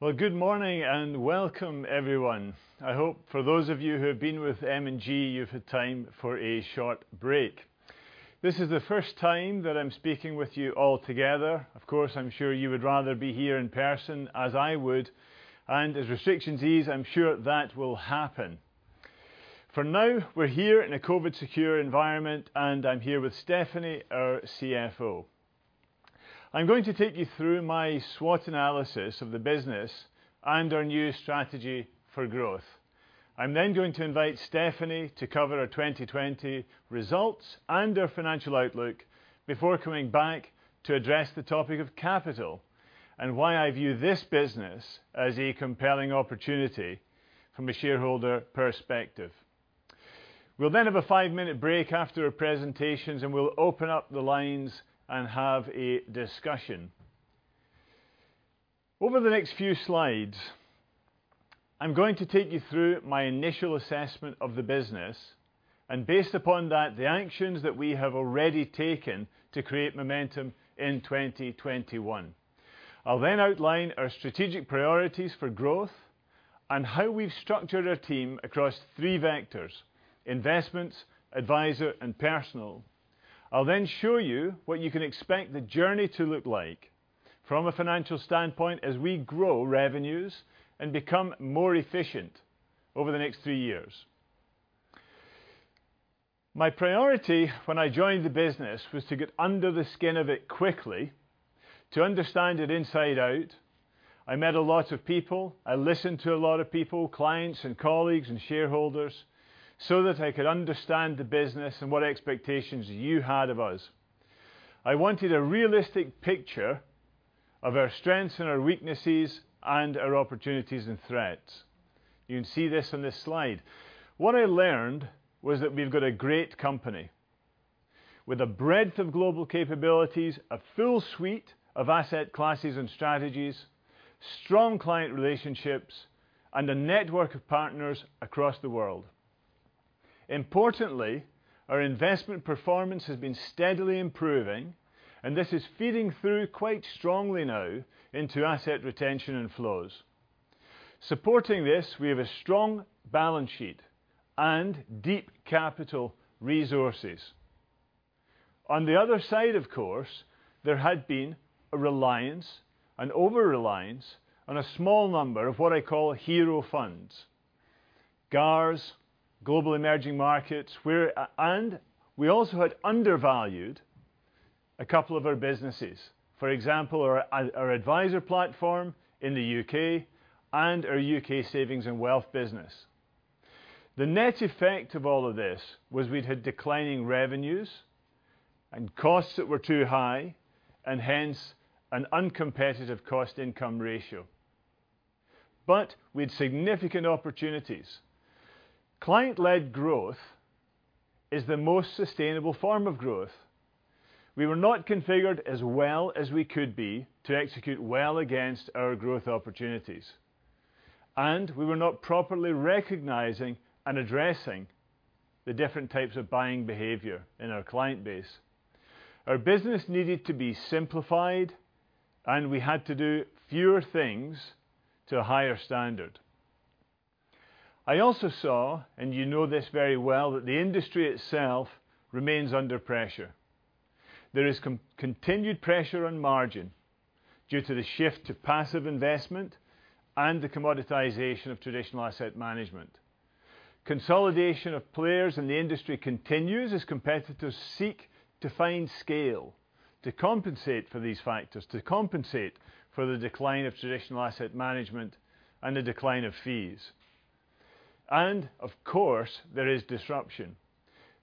Well, good morning and Welcome everyone. I hope for those of you who have been with M&G, you've had time for a short break. This is the first time that I'm speaking with you all together. Of course, I'm sure you would rather be here in person as I would, and as restrictions ease, I'm sure that will happen. For now, we're here in a COVID secure environment, and I'm here with Stephanie, our CFO. I'm going to take you through my SWOT analysis of the business and our new strategy for growth. I'm going to invite Stephanie to cover our 2020 results and our financial outlook before coming back to address the topic of capital and why I view this business as a compelling opportunity from a shareholder perspective. We'll have a five-minute break after our presentations, and we'll open up the lines and have a discussion. Over the next few slides, I'm going to take you through my initial assessment of the business and based upon that, the actions that we have already taken to create momentum in 2021. I'll outline our strategic priorities for growth and how we've structured our team across three vectors, Investments, Adviser, and Personal. I'll show you what you can expect the journey to look like from a financial standpoint as we grow revenues and become more efficient over the next three years. My priority when I joined the business was to get under the skin of it quickly to understand it inside out. I met a lot of people. I listened to a lot of people, clients, colleagues, and shareholders so that I could understand the business and what expectations you had of us. I wanted a realistic picture of our strengths and our weaknesses and our opportunities and threats. You can see this on this slide. What I learned was that we've got a great company with a breadth of global capabilities, a full suite of asset classes and strategies, strong client relationships, and a network of partners across the world. Importantly, our investment performance has been steadily improving, and this is feeding through quite strongly now into asset retention and flows. Supporting this, we have a strong balance sheet and deep capital resources. On the other side, of course, there had been a reliance, an over-reliance on a small number of what I call hero funds, GARS, global emerging markets, and we also had undervalued a couple of our businesses. For example, our adviser platform in the U.K. and our U.K. savings and wealth business. The net effect of all of this was we'd had declining revenues and costs that were too high and hence an uncompetitive cost-income ratio. We had significant opportunities. Client-led growth is the most sustainable form of growth. We were not configured as well as we could be to execute well against our growth opportunities. We were not properly recognizing and addressing the different types of buying behavior in our client base. Our business needed to be simplified, and we had to do fewer things to a higher standard. I also saw, and you know this very well, that the industry itself remains under pressure. There is continued pressure on margin due to the shift to passive investment and the commoditization of traditional asset management. Consolidation of players in the industry continues as competitors seek to find scale to compensate for these factors, to compensate for the decline of traditional asset management and the decline of fees. Of course, there is disruption.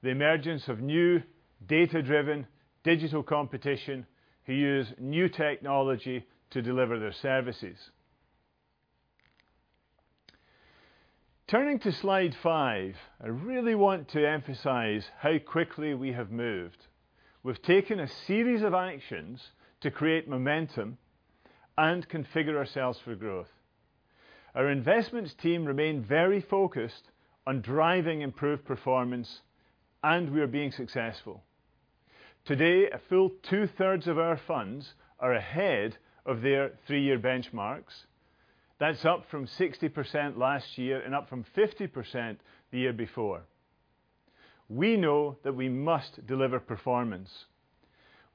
The emergence of new data-driven digital competition who use new technology to deliver their services. Turning to slide five, I really want to emphasize how quickly we have moved. We've taken a series of actions to create momentum and configure ourselves for growth. Our investments team remain very focused on driving improved performance, and we are being successful. Today, a full two-thirds of our funds are ahead of their three-year benchmarks. That's up from 60% last year and up from 50% the year before. We know that we must deliver performance.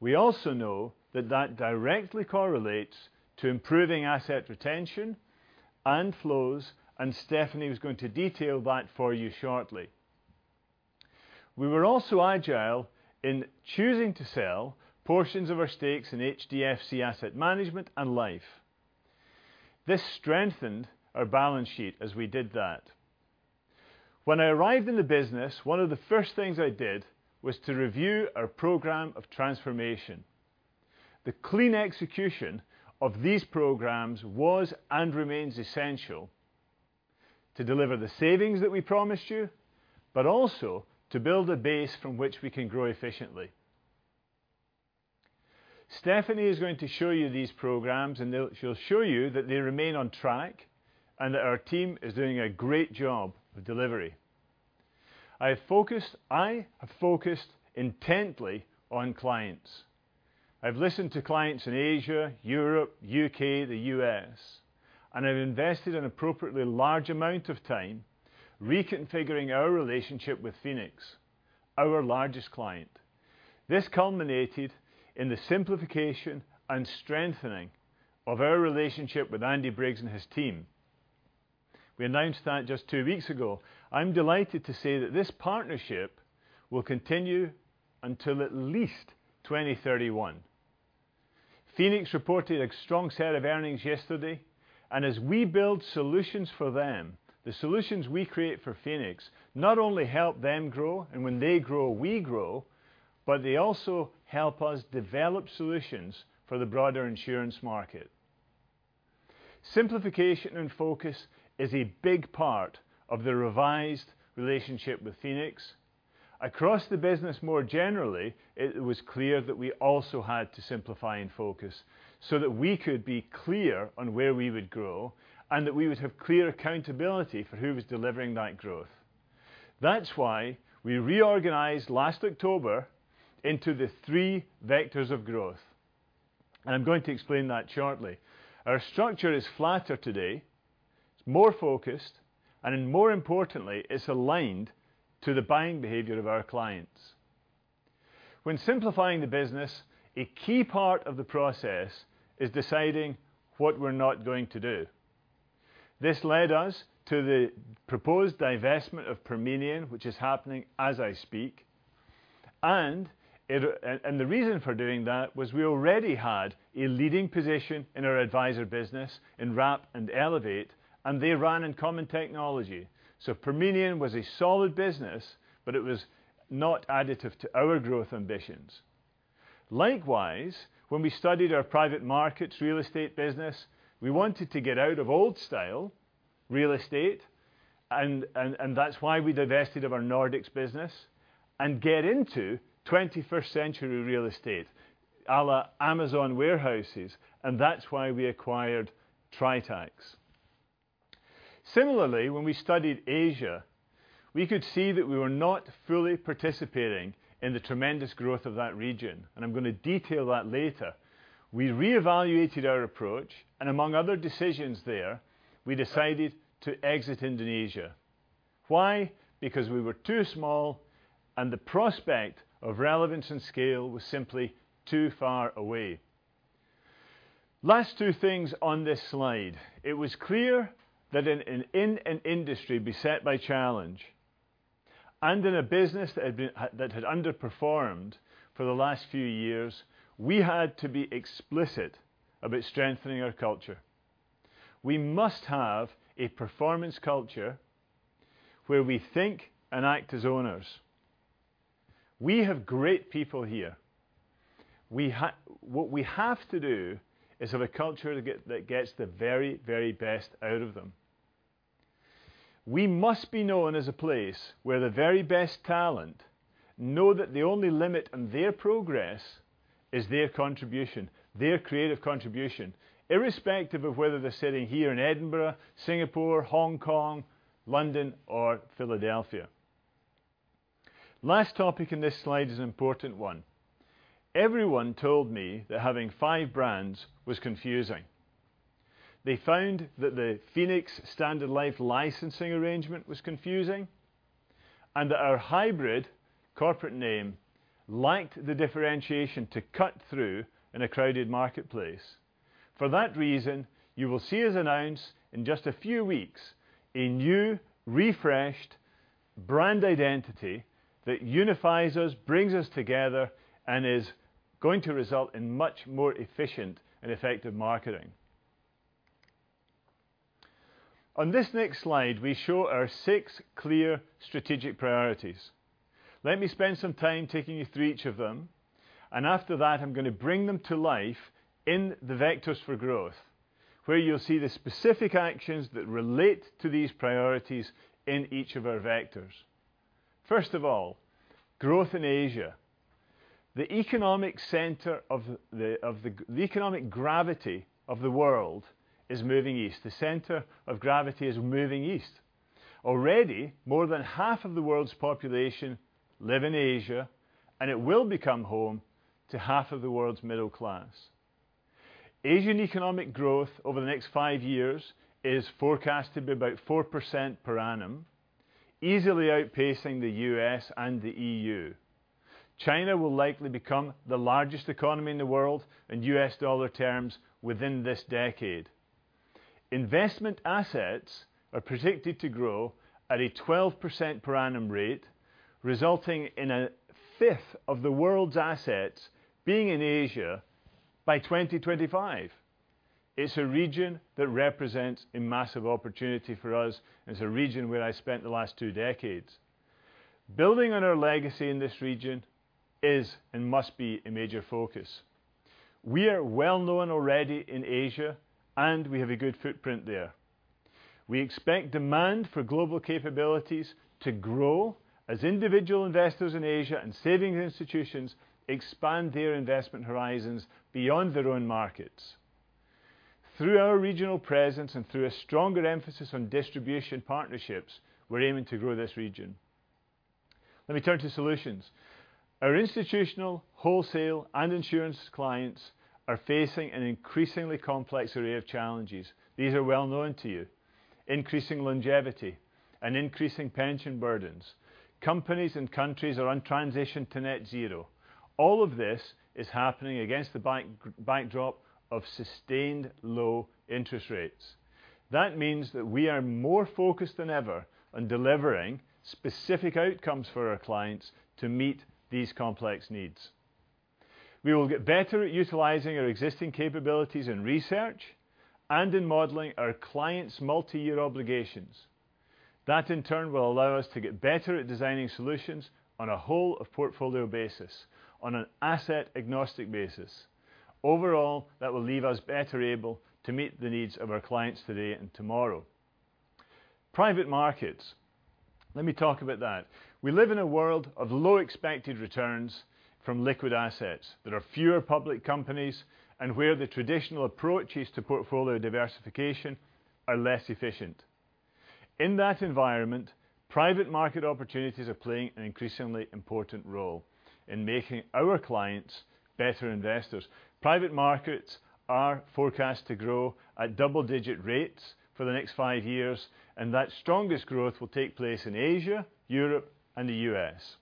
We also know that that directly correlates to improving asset retention and flows, and Stephanie was going to detail that for you shortly. We were also agile in choosing to sell portions of our stakes in HDFC Asset Management and Life. This strengthened our balance sheet as we did that. When I arrived in the business, one of the first things I did was to review our program of transformation. The clean execution of these programs was and remains essential to deliver the savings that we promised you, but also to build a base from which we can grow efficiently. Stephanie is going to show you these programs, and she'll show you that they remain on track and that our team is doing a great job with delivery. I have focused intently on clients. I've listened to clients in Asia, Europe, U.K., the U.S., and I've invested an appropriately large amount of time reconfiguring our relationship with Phoenix, our largest client. This culminated in the simplification and strengthening of our relationship with Andy Briggs and his team. We announced that just two weeks ago. I'm delighted to say that this partnership will continue until at least 2031. Phoenix reported a strong set of earnings yesterday, and as we build solutions for them, the solutions we create for Phoenix not only help them grow, and when they grow, we grow, but they also help us develop solutions for the broader insurance market. Simplification and focus is a big part of the revised relationship with Phoenix. Across the business more generally, it was clear that we also had to simplify and focus so that we could be clear on where we would grow and that we would have clear accountability for who was delivering that growth. That's why we reorganized last October into the three vectors of growth, and I'm going to explain that shortly. Our structure is flatter today. It's more focused and more importantly, it's aligned to the buying behavior of our clients. When simplifying the business, a key part of the process is deciding what we're not going to do. This led us to the proposed divestment of Parmenion, which is happening as I speak. The reason for doing that was we already had a leading position in our adviser business in Wrap and Elevate, and they ran in common technology. Parmenion was a solid business, but it was not additive to our growth ambitions. Likewise, when we studied our private markets real estate business, we wanted to get out of old style real estate and that's why we divested of our Nordics business and get into 21st century real estate, à la Amazon warehouses, and that's why we acquired Tritax. Similarly, when we studied Asia, we could see that we were not fully participating in the tremendous growth of that region, and I'm going to detail that later. We reevaluated our approach and among other decisions there, we decided to exit Indonesia. Why? Because we were too small and the prospect of relevance and scale was simply too far away. Last two things on this slide. It was clear that in an industry beset by challenge and in a business that had underperformed for the last few years, we had to be explicit about strengthening our culture. We must have a performance culture where we think and act as owners. We have great people here. What we have to do is have a culture that gets the very, very best out of them. We must be known as a place where the very best talent know that the only limit on their progress is their contribution, their creative contribution, irrespective of whether they're sitting here in Edinburgh, Singapore, Hong Kong, London, or Philadelphia. Last topic in this slide is an important one. Everyone told me that having five brands was confusing. They found that the Phoenix Standard Life licensing arrangement was confusing and that our hybrid corporate name lacked the differentiation to cut through in a crowded marketplace. For that reason, you will see us announce in just a few weeks a new, refreshed brand identity that unifies us, brings us together, and is going to result in much more efficient and effective marketing. On this next slide, we show our six clear strategic priorities. Let me spend some time taking you through each of them, and after that I'm going to bring them to life in the vectors for growth, where you'll see the specific actions that relate to these priorities in each of our vectors. First of all, growth in Asia. The economic gravity of the world is moving east. The center of gravity is moving east. Already, more than half of the world's population live in Asia, and it will become home to half of the world's middle class. Asian economic growth over the next five years is forecast to be about 4% per annum, easily outpacing the U.S. and the E.U. China will likely become the largest economy in the world in U.S. dollar terms within this decade. Investment assets are predicted to grow at a 12% per annum rate, resulting in a fifth of the world's assets being in Asia by 2025. It's a region that represents a massive opportunity for us. It's a region where I spent the last two decades. Building on our legacy in this region is and must be a major focus. We are well known already in Asia and we have a good footprint there. We expect demand for global capabilities to grow as individual investors in Asia and saving institutions expand their investment horizons beyond their own markets. Through our regional presence and through a stronger emphasis on distribution partnerships, we're aiming to grow this region. Let me turn to solutions. Our institutional wholesale and insurance clients are facing an increasingly complex array of challenges. These are well-known to you. Increasing longevity and increasing pension burdens. Companies and countries are on transition to net zero. All of this is happening against the backdrop of sustained low interest rates. That means that we are more focused than ever on delivering specific outcomes for our clients to meet these complex needs. We will get better at utilizing our existing capabilities in research and in modeling our clients' multi-year obligations. That, in turn, will allow us to get better at designing solutions on a whole of portfolio basis, on an asset-agnostic basis. Overall, that will leave us better able to meet the needs of our clients today and tomorrow. Private markets. Let me talk about that. We live in a world of low expected returns from liquid assets. There are fewer public companies and where the traditional approaches to portfolio diversification are less efficient. In that environment, private market opportunities are playing an increasingly important role in making our clients better investors. Private markets are forecast to grow at double-digit rates for the next five years, and that strongest growth will take place in Asia, Europe, and the U.S.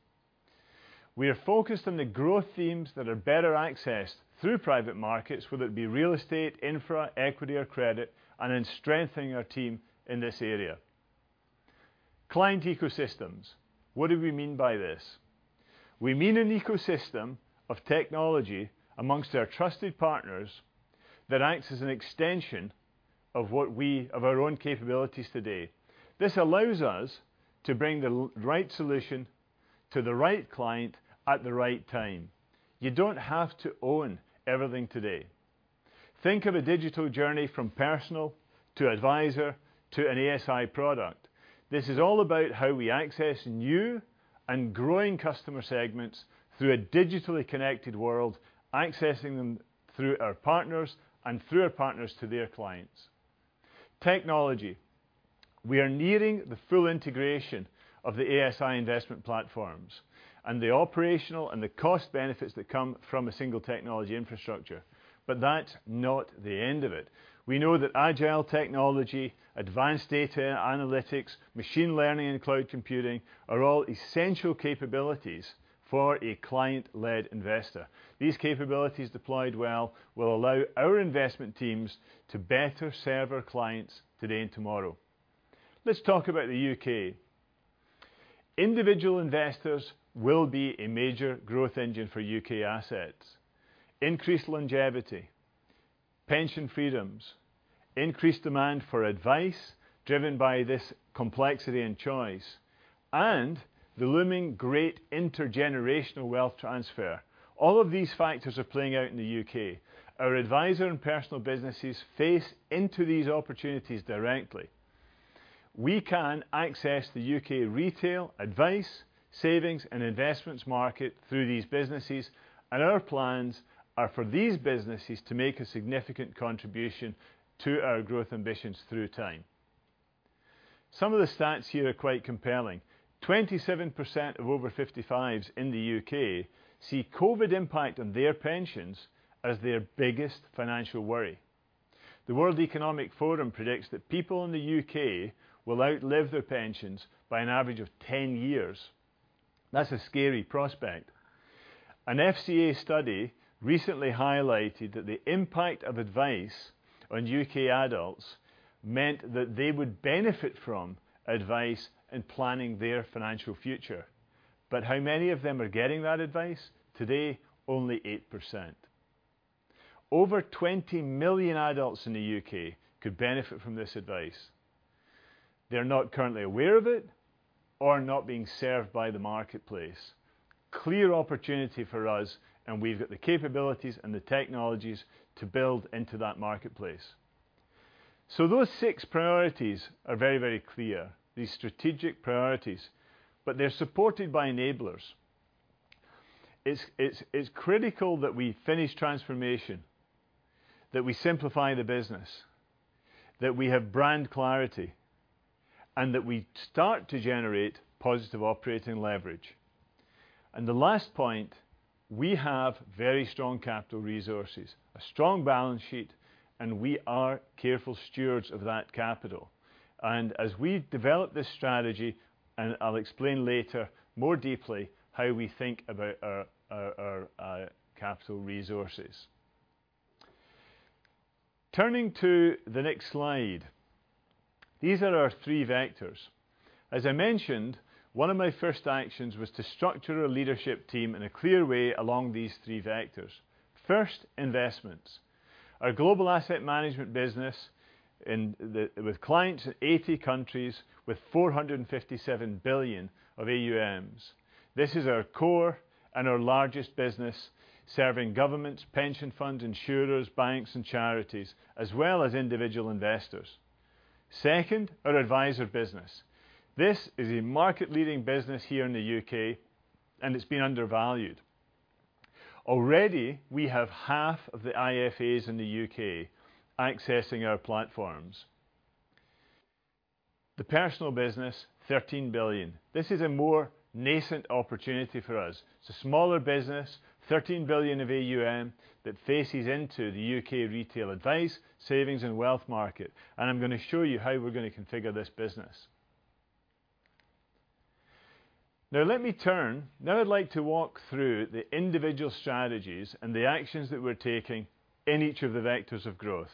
We are focused on the growth themes that are better accessed through private markets, whether it be real estate, infra, equity, or credit, and in strengthening our team in this area. Client ecosystems. What do we mean by this? We mean an ecosystem of technology amongst our trusted partners that acts as an extension of our own capabilities today. This allows us to bring the right solution to the right client at the right time. You don't have to own everything today. Think of a digital journey from personal to advisor to an ASI product. This is all about how we access new and growing customer segments through a digitally connected world, accessing them through our partners and through our partners to their clients. Technology. We are nearing the full integration of the ASI investment platforms and the operational and the cost benefits that come from a single technology infrastructure. That's not the end of it. We know that agile technology, advanced data analytics, machine learning, and cloud computing are all essential capabilities for a client-led investor. These capabilities deployed well will allow our investment teams to better serve our clients today and tomorrow. Let's talk about the U.K. Individual investors will be a major growth engine for U.K. assets. Increased longevity, pension freedoms, increased demand for advice driven by this complexity and choice, and the looming great intergenerational wealth transfer. All of these factors are playing out in the U.K. Our advisor and personal businesses face into these opportunities directly. We can access the U.K. retail advice, savings, and investments market through these businesses, and our plans are for these businesses to make a significant contribution to our growth ambitions through time. Some of the stats here are quite compelling. 27% of over 55s in the U.K. see COVID impact on their pensions as their biggest financial worry. The World Economic Forum predicts that people in the U.K. will outlive their pensions by an average of 10 years. That's a scary prospect. An FCA study recently highlighted that the impact of advice on U.K. adults meant that they would benefit from advice in planning their financial future. How many of them are getting that advice? Today, only 8%. Over 20 million adults in the U.K. could benefit from this advice. They're not currently aware of it or are not being served by the marketplace. Clear opportunity for us, we've got the capabilities and the technologies to build into that marketplace. Those six priorities are very, very clear, these strategic priorities, they're supported by enablers. It's critical that we finish transformation, that we simplify the business, that we have brand clarity, that we start to generate positive operating leverage. The last point, we have very strong capital resources, a strong balance sheet, and we are careful stewards of that capital. As we develop this strategy, I'll explain later more deeply how we think about our capital resources. Turning to the next slide. These are our three vectors. As I mentioned, one of my first actions was to structure a leadership team in a clear way along these three vectors. Investments. Our global asset management business with clients in 80 countries with 457 billion of AUM. This is our core and our largest business, serving governments, pension funds, insurers, banks, and charities, as well as individual investors. [Second] our advisor business. This is a market-leading business here in the U.K. and it's been undervalued. Already, we have half of the IFAs in the U.K. accessing our platforms. The personal business, 13 billion. This is a more nascent opportunity for us. It's a smaller business, 13 billion of AUM, that faces into the U.K. retail advice, savings, and wealth market. I'm going to show you how we're going to configure this business. Now I'd like to walk through the individual strategies and the actions that we're taking in each of the vectors of growth.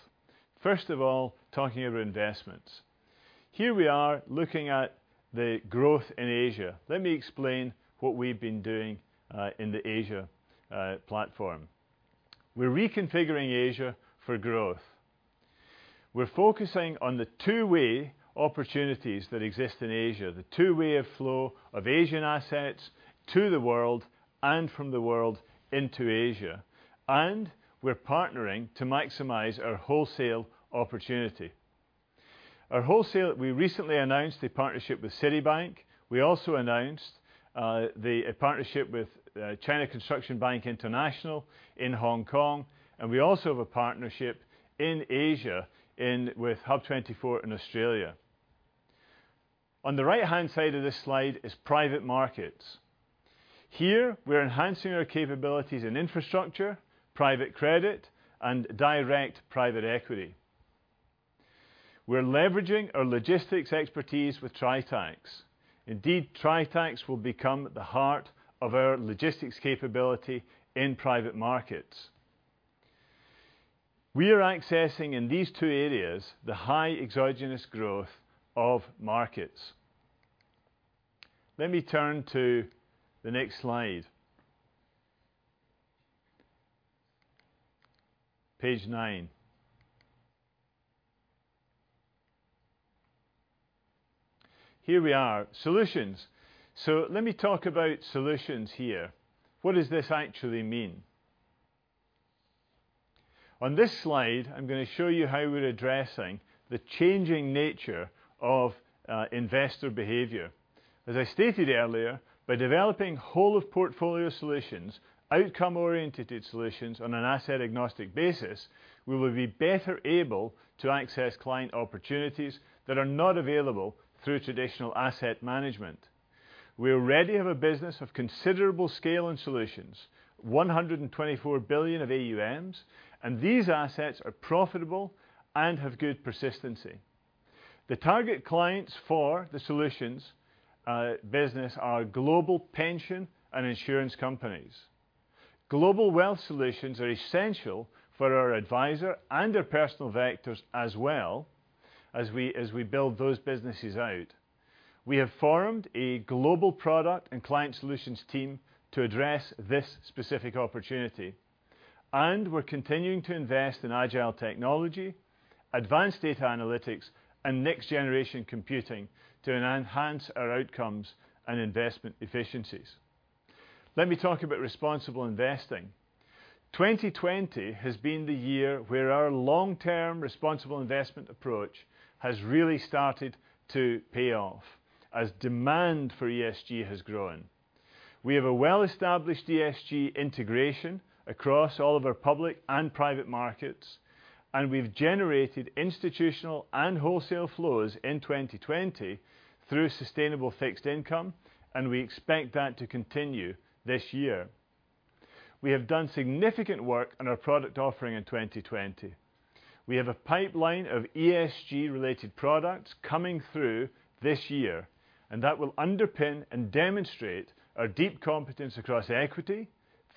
First of all, talking about investments. Here we are looking at the growth in Asia. Let me explain what we've been doing in the Asia platform. We're reconfiguring Asia for growth. We're focusing on the two-way opportunities that exist in Asia, the two-way of flow of Asian assets to the world and from the world into Asia. We're partnering to maximize our wholesale opportunity. Our wholesale, we recently announced a partnership with Citibank. We also announced the partnership with China Construction Bank International in Hong Kong. We also have a partnership in Asia with Hub24 in Australia. On the right-hand side of this slide is private markets. Here, we're enhancing our capabilities in infrastructure, private credit, and direct private equity. We're leveraging our logistics expertise with Tritax. Indeed, Tritax will become the heart of our logistics capability in private markets. We are accessing, in these two areas, the high exogenous growth of markets. Let me turn to the next slide. Page nine. Here we are. Solutions. Let me talk about solutions here. What does this actually mean? On this slide, I'm going to show you how we're addressing the changing nature of investor behavior. As I stated earlier, by developing whole of portfolio solutions, outcome-orientated solutions on an asset-agnostic basis, we will be better able to access client opportunities that are not available through traditional asset management. We already have a business of considerable scale and solutions, 124 billion of AUMs, and these assets are profitable and have good persistency. The target clients for the solutions business are global pension and insurance companies. Global wealth solutions are essential for our advisor and our personal vectors as well as we build those businesses out. We have formed a global product and client solutions team to address this specific opportunity, and we're continuing to invest in agile technology, advanced data analytics, and next-generation computing to enhance our outcomes and investment efficiencies. Let me talk about responsible investing. 2020 has been the year where our long-term responsible investment approach has really started to pay off as demand for ESG has grown. We have a well-established ESG integration across all of our public and private markets, and we've generated institutional and wholesale flows in 2020 through sustainable fixed income, and we expect that to continue this year. We have done significant work on our product offering in 2020. We have a pipeline of ESG-related products coming through this year, and that will underpin and demonstrate our deep competence across equity,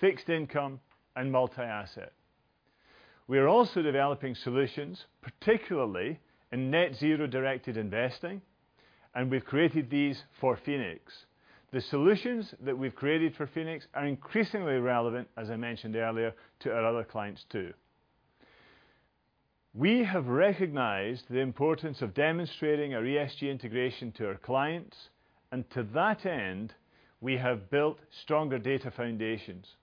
fixed income, and multi-asset. We are also developing solutions, particularly in net zero-directed investing, and we've created these for Phoenix. The solutions that we've created for Phoenix are increasingly relevant, as I mentioned earlier, to our other clients, too. We have recognized the importance of demonstrating our ESG integration to our clients, and to that end, we have built stronger data foundations.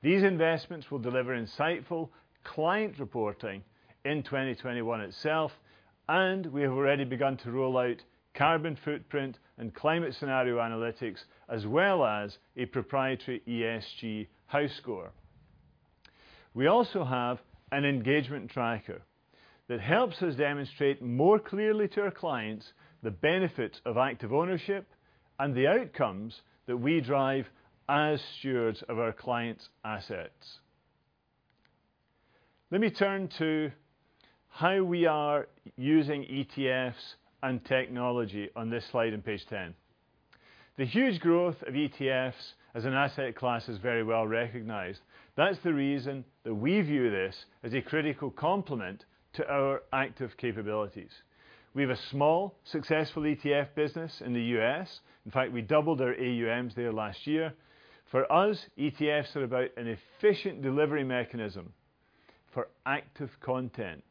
These investments will deliver insightful client reporting in 2021 itself, and we have already begun to roll out carbon footprint and climate scenario analytics as well as a proprietary ESG house score. We also have an engagement tracker that helps us demonstrate more clearly to our clients the benefit of active ownership and the outcomes that we drive as stewards of our clients' assets. Let me turn to how we are using ETFs and technology on this slide on page 10. The huge growth of ETFs as an asset class is very well recognized. That's the reason that we view this as a critical complement to our active capabilities. We have a small, successful ETF business in the U.S. In fact, we doubled our AUMs there last year. For us, ETFs are about an efficient delivery mechanism for active content,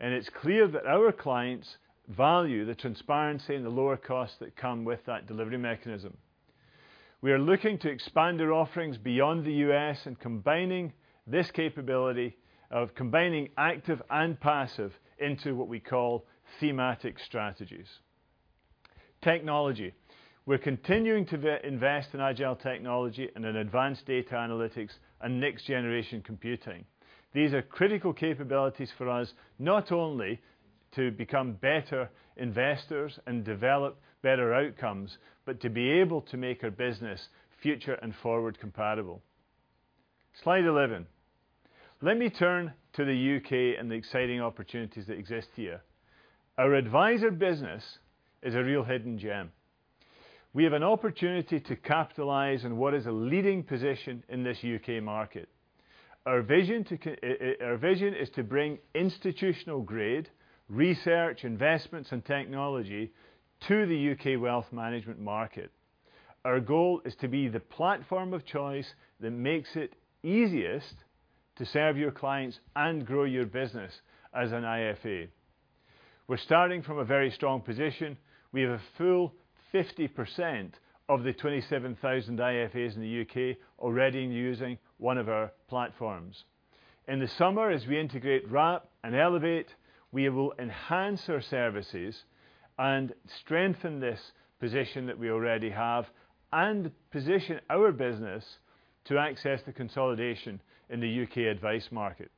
and it's clear that our clients value the transparency and the lower costs that come with that delivery mechanism. We are looking to expand our offerings beyond the U.S. and combining this capability of combining active and passive into what we call thematic strategies. Technology. We're continuing to invest in agile technology and in advanced data analytics and next-generation computing. These are critical capabilities for us, not only to become better investors and develop better outcomes, but to be able to make our business future and forward compatible. Slide 11. Let me turn to the U.K. and the exciting opportunities that exist here. Our advisor business is a real hidden gem. We have an opportunity to capitalize on what is a leading position in this U.K. market. Our vision is to bring institutional-grade research, investments, and technology to the U.K. wealth management market. Our goal is to be the platform of choice that makes it easiest to serve your clients and grow your business as an IFA. We're starting from a very strong position. We have a full 50% of the 27,000 IFAs in the U.K. already using one of our platforms. In the summer, as we integrate Wrap and Elevate, we will enhance our services and strengthen this position that we already have and position our business to access the consolidation in the U.K. advice market.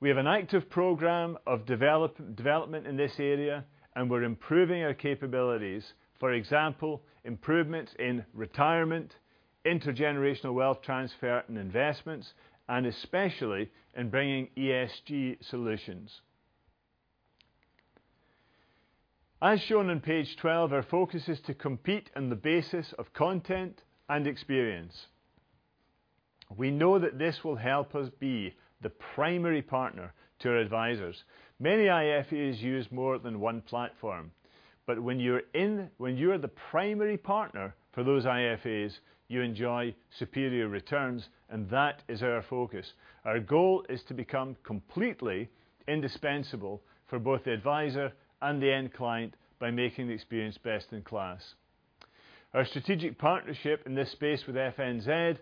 We have an active program of development in this area, and we're improving our capabilities. For example, improvements in retirement, intergenerational wealth transfer and investments, and especially in bringing ESG solutions. As shown on page 12, our focus is to compete on the basis of content and experience. We know that this will help us be the primary partner to our advisors. Many IFAs use more than one platform, but when you're the primary partner for those IFAs, you enjoy superior returns, and that is our focus. Our goal is to become completely indispensable for both the advisor and the end client by making the experience best in class. Our strategic partnership in this space with FNZ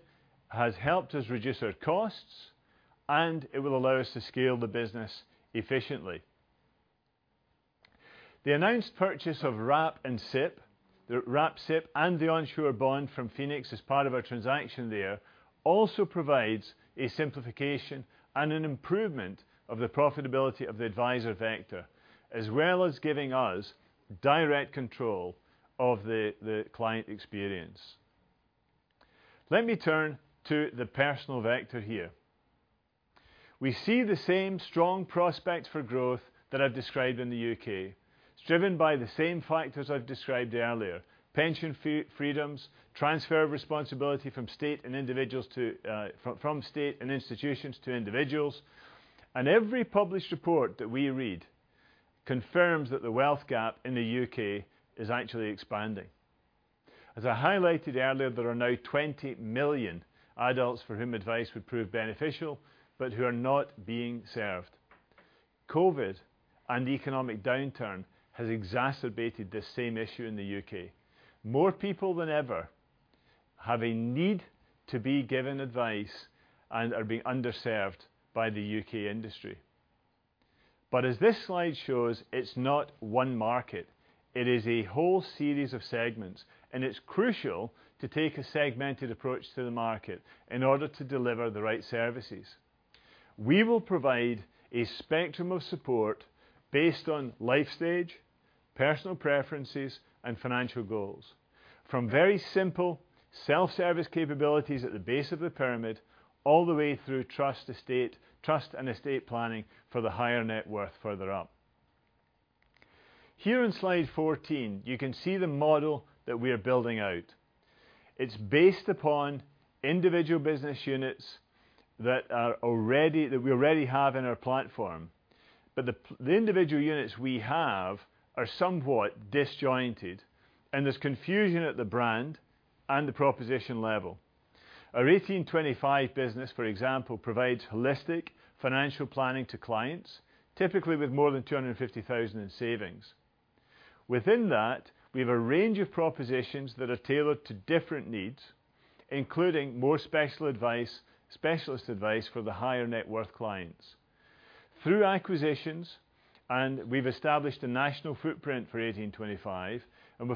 has helped us reduce our costs, and it will allow us to scale the business efficiently. The announced purchase of the Wrap, SIPP, and the onshore bond from Phoenix as part of our transaction there also provides a simplification and an improvement of the profitability of the advisor vector as well as giving us direct control of the client experience. Let me turn to the personal vector here. We see the same strong prospects for growth that I've described in the U.K. It's driven by the same factors I've described earlier, pension freedoms, transfer of responsibility from state and institutions to individuals. Every published report that we read confirms that the wealth gap in the U.K. is actually expanding. As I highlighted earlier, there are now 20 million adults for whom advice would prove beneficial but who are not being served. COVID and economic downturn has exacerbated the same issue in the U.K. More people than ever have a need to be given advice and are being underserved by the U.K. industry. As this slide shows, it's not one market. It is a whole series of segments, and it's crucial to take a segmented approach to the market in order to deliver the right services. We will provide a spectrum of support based on life stage, personal preferences, and financial goals. From very simple self-service capabilities at the base of the pyramid, all the way through trust and estate planning for the higher net worth further up. Here in slide 14, you can see the model that we are building out. It's based upon individual business units that we already have in our platform. The individual units we have are somewhat disjointed, and there's confusion at the brand and the proposition level. Our 1825 business, for example, provides holistic financial planning to clients, typically with more than 250,000 in savings. Within that, we have a range of propositions that are tailored to different needs, including more specialist advice for the higher net worth clients. Through acquisitions, we've established a national footprint for 1825, and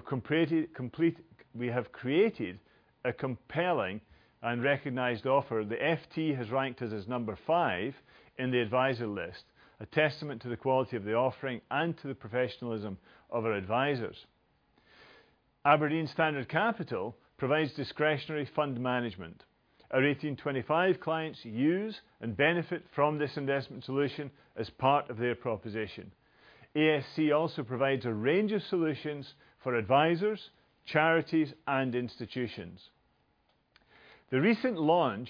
we have created a compelling and recognized offer. The FT has ranked us as number 5 in the advisor list, a testament to the quality of the offering and to the professionalism of our advisors. Aberdeen Standard Capital provides discretionary fund management. Our 1825 clients use and benefit from this investment solution as part of their proposition. ASC also provides a range of solutions for advisors, charities, and institutions. The recent launch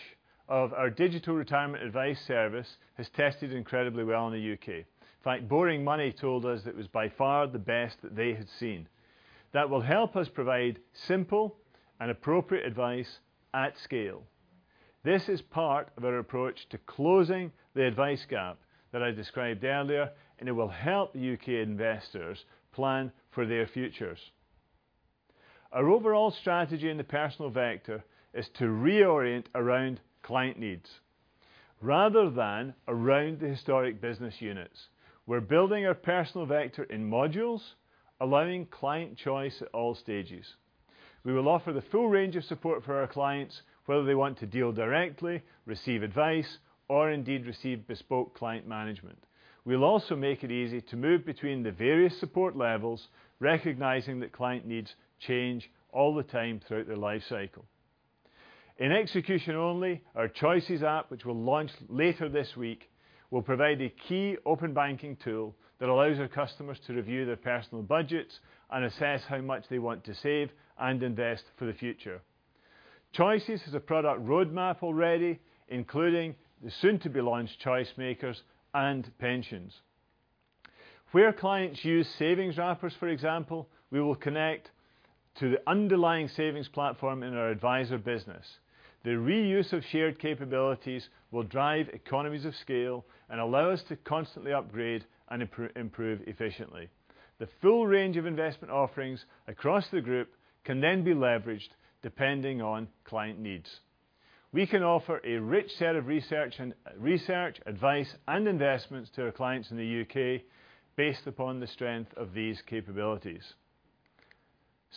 of our digital retirement advice service has tested incredibly well in the U.K. In fact, Boring Money told us it was by far the best that they had seen. That will help us provide simple and appropriate advice at scale. This is part of our approach to closing the advice gap that I described earlier, and it will help U.K. investors plan for their futures. Our overall strategy in the personal vector is to reorient around client needs rather than around the historic business units. We're building our personal vector in modules, allowing client choice at all stages. We will offer the full range of support for our clients, whether they want to deal directly, receive advice, or indeed receive bespoke client management. We'll also make it easy to move between the various support levels, recognizing that client needs change all the time throughout their life cycle. In execution only, our Choices app, which will launch later this week, will provide a key open banking tool that allows our customers to review their personal budgets and assess how much they want to save and invest for the future. Choices has a product roadmap already, including the soon to be launched Choice Makers and Pensions. Where clients use savings wrappers, for example, we will connect to the underlying savings platform in our advisor business. The reuse of shared capabilities will drive economies of scale and allow us to constantly upgrade and improve efficiently. The full range of investment offerings across the group can then be leveraged depending on client needs. We can offer a rich set of research, advice, and investments to our clients in the U.K. based upon the strength of these capabilities.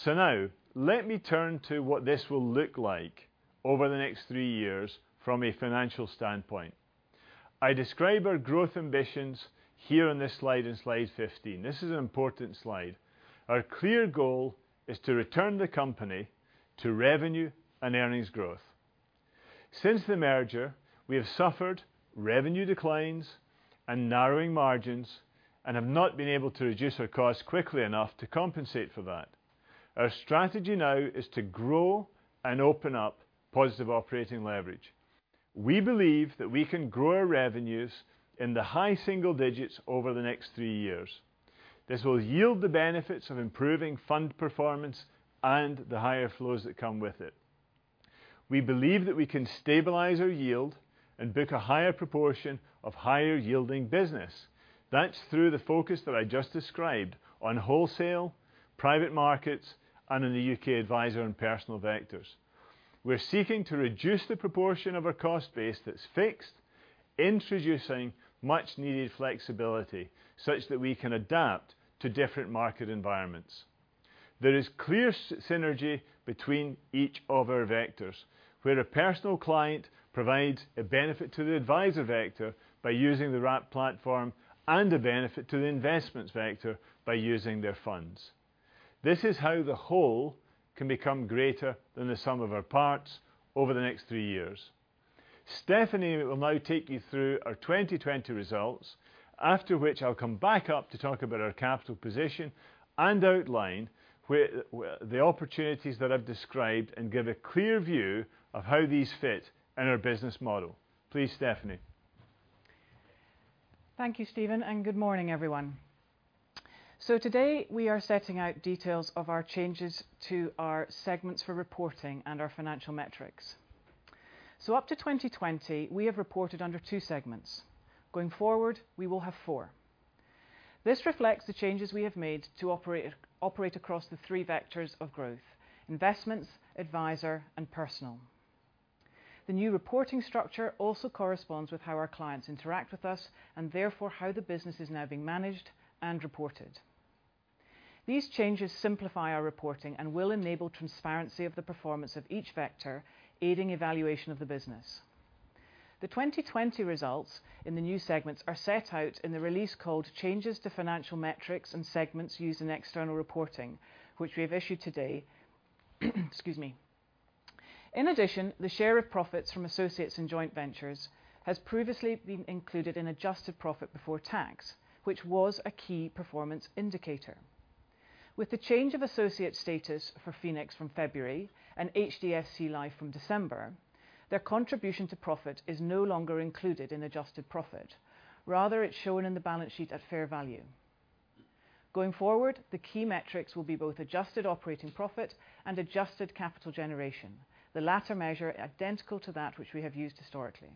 Now let me turn to what this will look like over the next three years from a financial standpoint. I describe our growth ambitions here on this slide, in slide 15. This is an important slide. Our clear goal is to return the company to revenue and earnings growth. Since the merger, we have suffered revenue declines and narrowing margins and have not been able to reduce our costs quickly enough to compensate for that. Our strategy now is to grow and open up positive operating leverage. We believe that we can grow our revenues in the high single digits over the next three years. This will yield the benefits of improving fund performance and the higher flows that come with it. We believe that we can stabilize our yield and book a higher proportion of higher yielding business. That's through the focus that I just described on wholesale, private markets, and in the U.K. adviser and personal vectors. We're seeking to reduce the proportion of our cost base that's fixed, introducing much needed flexibility such that we can adapt to different market environments. There is clear synergy between each of our vectors, where a personal client provides a benefit to the adviser vector by using the Wrap platform and a benefit to the investments vector by using their funds. This is how the whole can become greater than the sum of our parts over the next three years. Stephanie will now take you through our 2020 results, after which I'll come back up to talk about our capital position and outline the opportunities that I've described and give a clear view of how these fit in our business model. Please, Stephanie. Thank you, Stephen, good morning everyone. Today we are setting out details of our changes to our segments for reporting and our financial metrics. Up to 2020, we have reported under two segments. Going forward, we will have four. This reflects the changes we have made to operate across the three vectors of growth, investments, adviser, and personal. The new reporting structure also corresponds with how our clients interact with us and therefore how the business is now being managed and reported. These changes simplify our reporting and will enable transparency of the performance of each vector, aiding evaluation of the business. The 2020 results in the new segments are set out in the release called Changes to Financial Metrics and Segments Used in External Reporting, which we have issued today. Excuse me. In addition, the share of profits from associates and joint ventures has previously been included in adjusted profit before tax, which was a key performance indicator. With the change of associate status for Phoenix from February and HDFC Life from December, their contribution to profit is no longer included in adjusted profit. Rather, it's shown in the balance sheet at fair value. Going forward, the key metrics will be both adjusted operating profit and adjusted capital generation. The latter measure identical to that which we have used historically.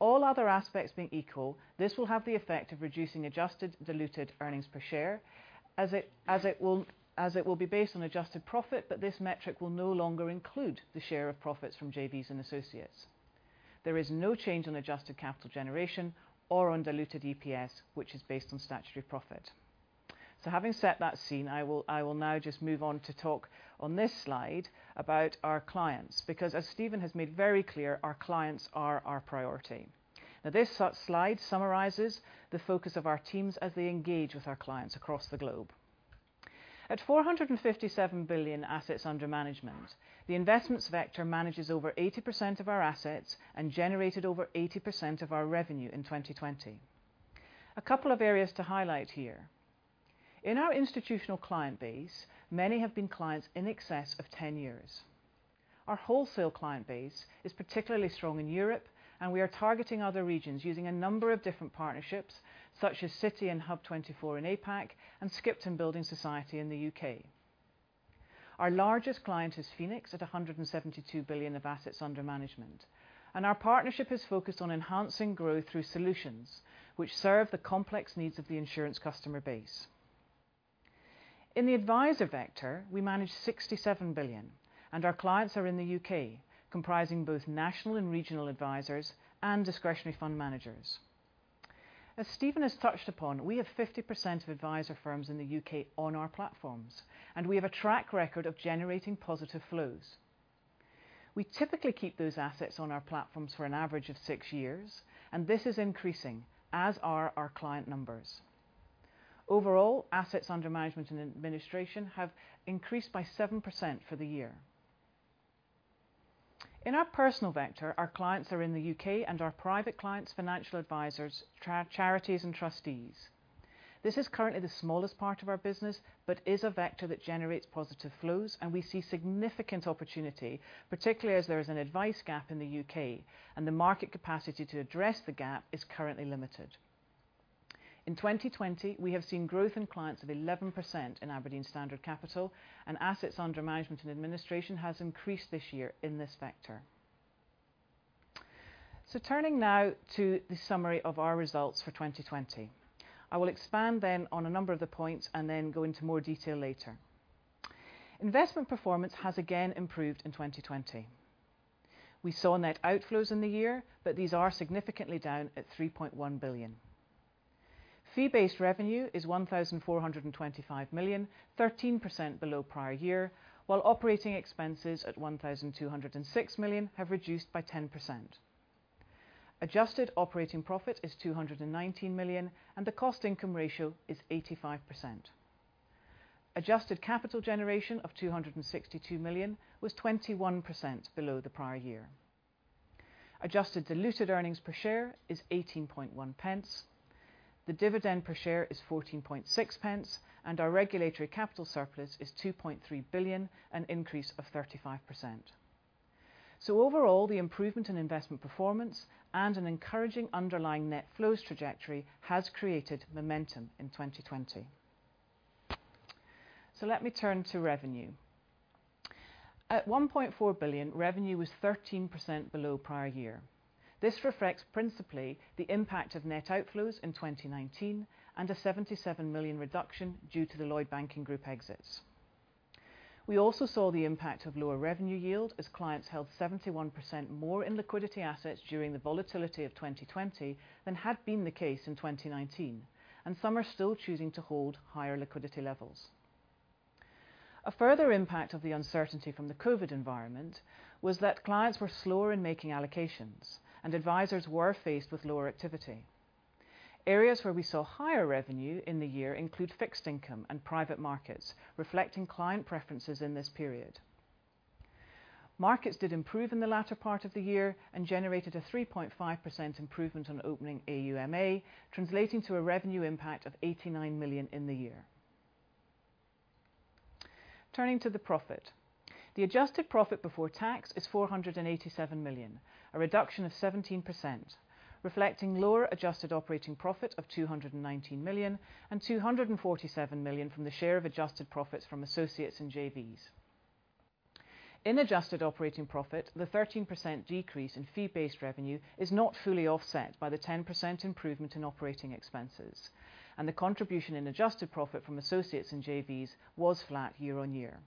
All other aspects being equal, this will have the effect of reducing adjusted diluted earnings per share as it will be based on adjusted profit, but this metric will no longer include the share of profits from JVs and associates. There is no change on adjusted capital generation or on diluted EPS, which is based on statutory profit. Having set that scene, I will now just move on to talk on this slide about our clients, because as Stephen has made very clear, our clients are our priority. This slide summarizes the focus of our teams as they engage with our clients across the globe. At 457 billion assets under management, the investments vector manages over 80% of our assets and generated over 80% of our revenue in 2020. A couple of areas to highlight here. In our institutional client base, many have been clients in excess of 10 years. Our wholesale client base is particularly strong in Europe, and we are targeting other regions using a number of different partnerships such as Citi and Hub24 in APAC and Skipton Building Society in the U.K. Our largest client is Phoenix at 172 billion of assets under management. Our partnership is focused on enhancing growth through solutions which serve the complex needs of the insurance customer base. In the adviser vector, we manage 67 billion, and our clients are in the U.K., comprising both national and regional advisers and discretionary fund managers. As Stephen has touched upon, we have 50% of adviser firms in the U.K. on our platforms, and we have a track record of generating positive flows. We typically keep those assets on our platforms for an average of six years, and this is increasing, as are our client numbers. Overall, assets under management and administration have increased by 7% for the year. In our personal vector, our clients are in the U.K. and are private clients, financial advisers, charities, and trustees. This is currently the smallest part of our business, but is a vector that generates positive flows, and we see significant opportunity, particularly as there is an advice gap in the U.K. and the market capacity to address the gap is currently limited. In 2020, we have seen growth in clients of 11% in Aberdeen Standard Capital and assets under management and administration has increased this year in this vector. Turning now to the summary of our results for 2020. I will expand then on a number of the points and then go into more detail later. Investment performance has again improved in 2020. We saw net outflows in the year, but these are significantly down at 3.1 billion. Fee-based revenue is 1,425 million, 13% below prior year, while operating expenses at 1,206 million have reduced by 10%. Adjusted operating profit is 219 million and the cost-income ratio is 85%. Adjusted capital generation of 262 million was 21% below the prior year. Adjusted diluted earnings per share is 0.181. The dividend per share is 0.146 and our regulatory capital surplus is 2.3 billion, an increase of 35%. Overall, the improvement in investment performance and an encouraging underlying net flows trajectory has created momentum in 2020. Let me turn to revenue. At 1.4 billion, revenue was 13% below prior year. This reflects principally the impact of net outflows in 2019 and a 77 million reduction due to the Lloyds Banking Group exits. We also saw the impact of lower revenue yield as clients held 71% more in liquidity assets during the volatility of 2020 than had been the case in 2019, and some are still choosing to hold higher liquidity levels. A further impact of the uncertainty from the COVID environment was that clients were slower in making allocations and advisers were faced with lower activity. Areas where we saw higher revenue in the year include fixed income and private markets, reflecting client preferences in this period. Markets did improve in the latter part of the year and generated a 3.5% improvement on opening AUMA, translating to a revenue impact of 89 million in the year. Turning to the profit. The adjusted profit before tax is 487 million, a reduction of 17%, reflecting lower adjusted operating profit of 219 million and 247 million from the share of adjusted profits from associates and JVs. In adjusted operating profit, the 13% decrease in fee-based revenue is not fully offset by the 10% improvement in operating expenses, and the contribution in adjusted profit from associates and JVs was flat year-on-year.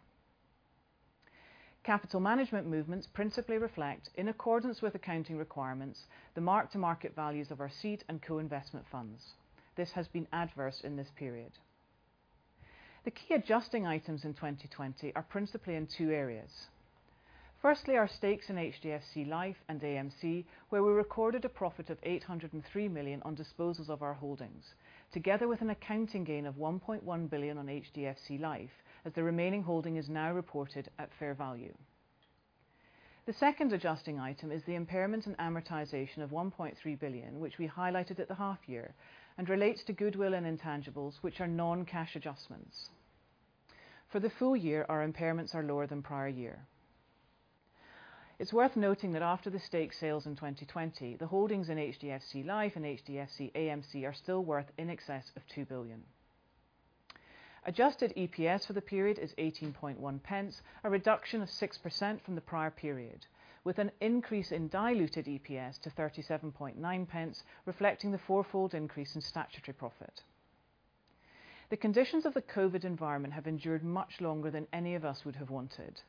Capital management movements principally reflect, in accordance with accounting requirements, the mark-to-market values of our seed and co-investment funds. This has been adverse in this period. The key adjusting items in 2020 are principally in two areas. Firstly, our stakes in HDFC Life and AMC, where we recorded a profit of 803 million on disposals of our holdings, together with an accounting gain of 1.1 billion on HDFC Life, as the remaining holding is now reported at fair value. The second adjusting item is the impairment and amortization of 1.3 billion, which we highlighted at the half year and relates to goodwill and intangibles, which are non-cash adjustments. For the full year, our impairments are lower than prior year. It's worth noting that after the stake sales in 2020, the holdings in HDFC Life and HDFC AMC are still worth in excess of 2 billion. Adjusted EPS for the period is 0.181, a reduction of 6% from the prior period, with an increase in diluted EPS to 0.379 reflecting the fourfold increase in statutory profit. The conditions of the COVID environment have endured much longer than any of us would have wanted.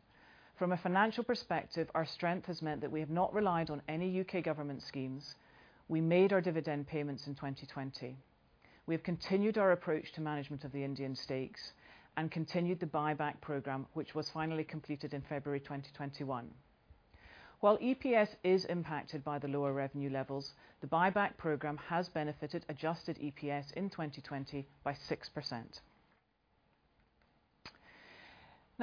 From a financial perspective, our strength has meant that we have not relied on any U.K. government schemes. We made our dividend payments in 2020. We have continued our approach to management of the Indian stakes and continued the buyback program, which was finally completed in February 2021. While EPS is impacted by the lower revenue levels, the buyback program has benefited adjusted EPS in 2020 by 6%.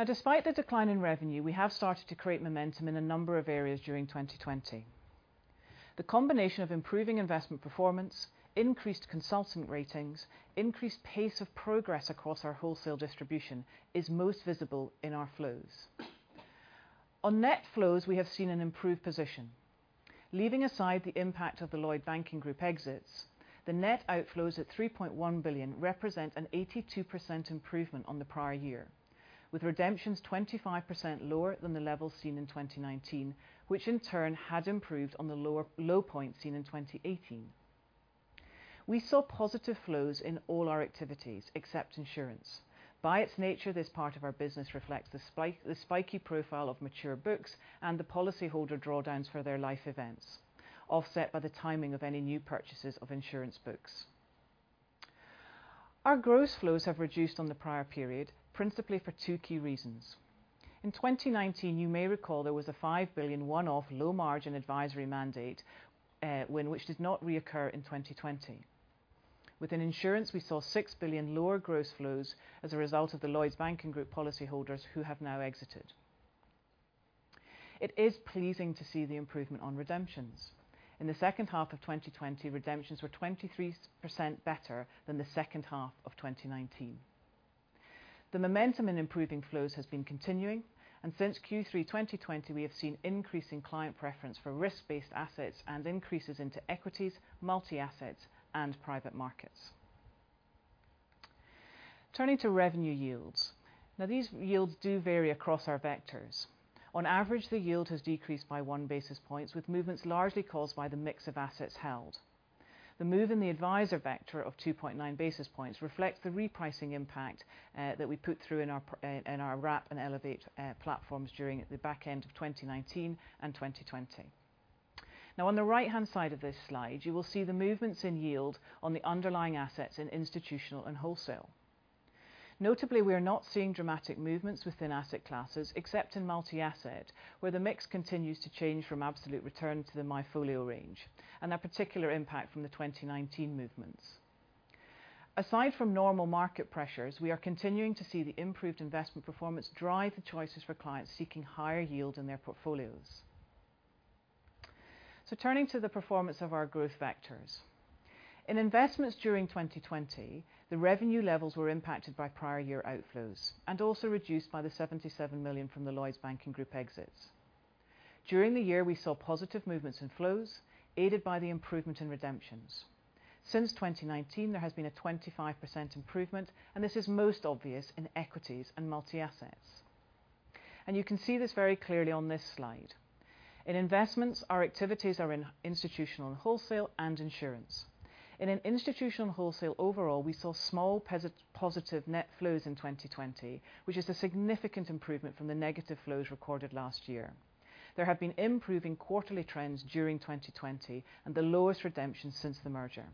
Despite the decline in revenue, we have started to create momentum in a number of areas during 2020. The combination of improving investment performance, increased consultant ratings, increased pace of progress across our wholesale distribution is most visible in our flows. On net flows, we have seen an improved position. Leaving aside the impact of the Lloyds Banking Group exits. The net outflows at 3.1 billion represent an 82% improvement on the prior year, with redemptions 25% lower than the level seen in 2019, which in turn had improved on the low point seen in 2018. We saw positive flows in all our activities except insurance. By its nature, this part of our business reflects the spiky profile of mature books and the policyholder drawdowns for their life events, offset by the timing of any new purchases of insurance books. Our gross flows have reduced on the prior period, principally for two key reasons. In 2019, you may recall there was a 5 billion one-off low margin advisory mandate, which did not reoccur in 2020. Within insurance, we saw 6 billion lower gross flows as a result of the Lloyds Banking Group policyholders who have now exited. It is pleasing to see the improvement on redemptions. In the second half of 2020, redemptions were 23% better than the second half of 2019. The momentum in improving flows has been continuing, and since Q3 2020, we have seen increasing client preference for risk-based assets and increases into equities, multi-assets, and private markets. Turning to revenue yields. These yields do vary across our vectors. On average, the yield has decreased by one basis point, with movements largely caused by the mix of assets held. The move in the adviser vector of 2.9 basis points reflects the repricing impact that we put through in our Wrap and Elevate platforms during the back end of 2019 and 2020. On the right-hand side of this slide, you will see the movements in yield on the underlying assets in institutional and wholesale. Notably, we are not seeing dramatic movements within asset classes, except in multi-asset, where the mix continues to change from absolute return to the MyFolio range, and a particular impact from the 2019 movements. Aside from normal market pressures, we are continuing to see the improved investment performance drive the choices for clients seeking higher yield in their portfolios. Turning to the performance of our growth vectors. In investments during 2020, the revenue levels were impacted by prior year outflows and also reduced by the 77 million from the Lloyds Banking Group exits. During the year, we saw positive movements in flows aided by the improvement in redemptions. Since 2019, there has been a 25% improvement, this is most obvious in equities and multi-assets. You can see this very clearly on this slide. In investments, our activities are in institutional and wholesale, and insurance. In an institutional wholesale overall, we saw small positive net flows in 2020, which is a significant improvement from the negative flows recorded last year. There have been improving quarterly trends during 2020 and the lowest redemptions since the merger.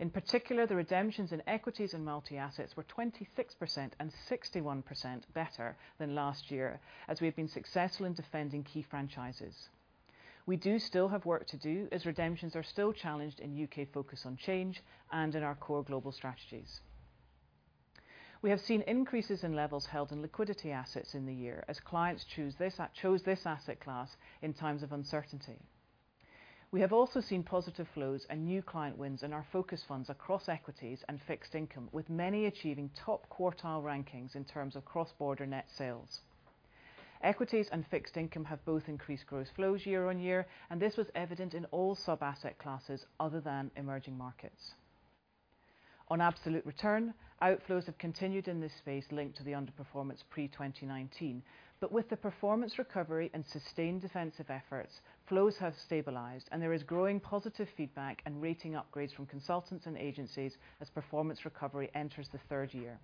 In particular, the redemptions in equities and multi-assets were 26% and 61% better than last year as we have been successful in defending key franchises. We do still have work to do as redemptions are still challenged in U.K. Focus on Change and in our core global strategies. We have seen increases in levels held in liquidity assets in the year as clients chose this asset class in times of uncertainty. We have also seen positive flows and new client wins in our focus funds across equities and fixed income, with many achieving top quartile rankings in terms of cross-border net sales. Equities and fixed income have both increased gross flows year-on-year, and this was evident in all sub-asset classes other than emerging markets. On absolute return, outflows have continued in this space linked to the underperformance pre-2019. With the performance recovery and sustained defensive efforts, flows have stabilized and there is growing positive feedback and rating upgrades from consultants and agencies as performance recovery enters the third year.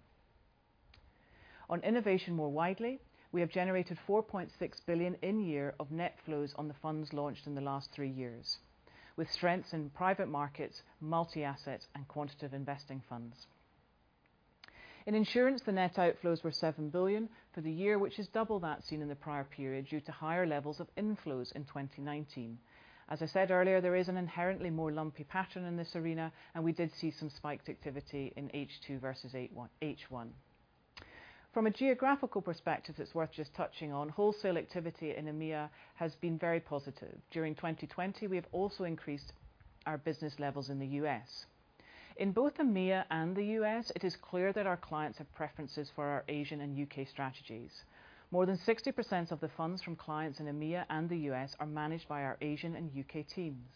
On innovation more widely, we have generated 4.6 billion in year of net flows on the funds launched in the last three years, with strengths in private markets, multi-asset, and quantitative investing funds. In insurance, the net outflows were 7 billion for the year, which is double that seen in the prior period due to higher levels of inflows in 2019. As I said earlier, there is an inherently more lumpy pattern in this arena, and we did see some spiked activity in H2 versus H1. From a geographical perspective, it's worth just touching on wholesale activity in EMEA has been very positive. During 2020, we have also increased our business levels in the U.S. In both EMEA and the U.S., it is clear that our clients have preferences for our Asian and U.K. strategies. More than 60% of the funds from clients in EMEA and the U.S. are managed by our Asian and U.K. teams.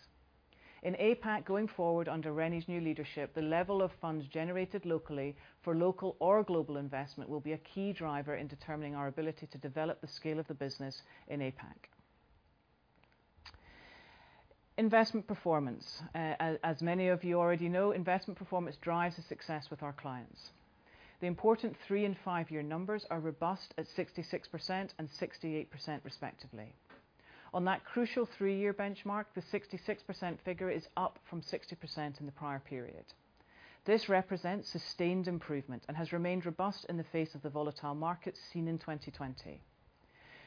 In APAC, going forward under René's new leadership, the level of funds generated locally for local or global investment will be a key driver in determining our ability to develop the scale of the business in APAC. Investment performance. As many of you already know, investment performance drives the success with our clients. The important 3 and 5-year numbers are robust at 66% and 68% respectively. On that crucial 3-year benchmark, the 66% figure is up from 60% in the prior period. This represents sustained improvement and has remained robust in the face of the volatile markets seen in 2020.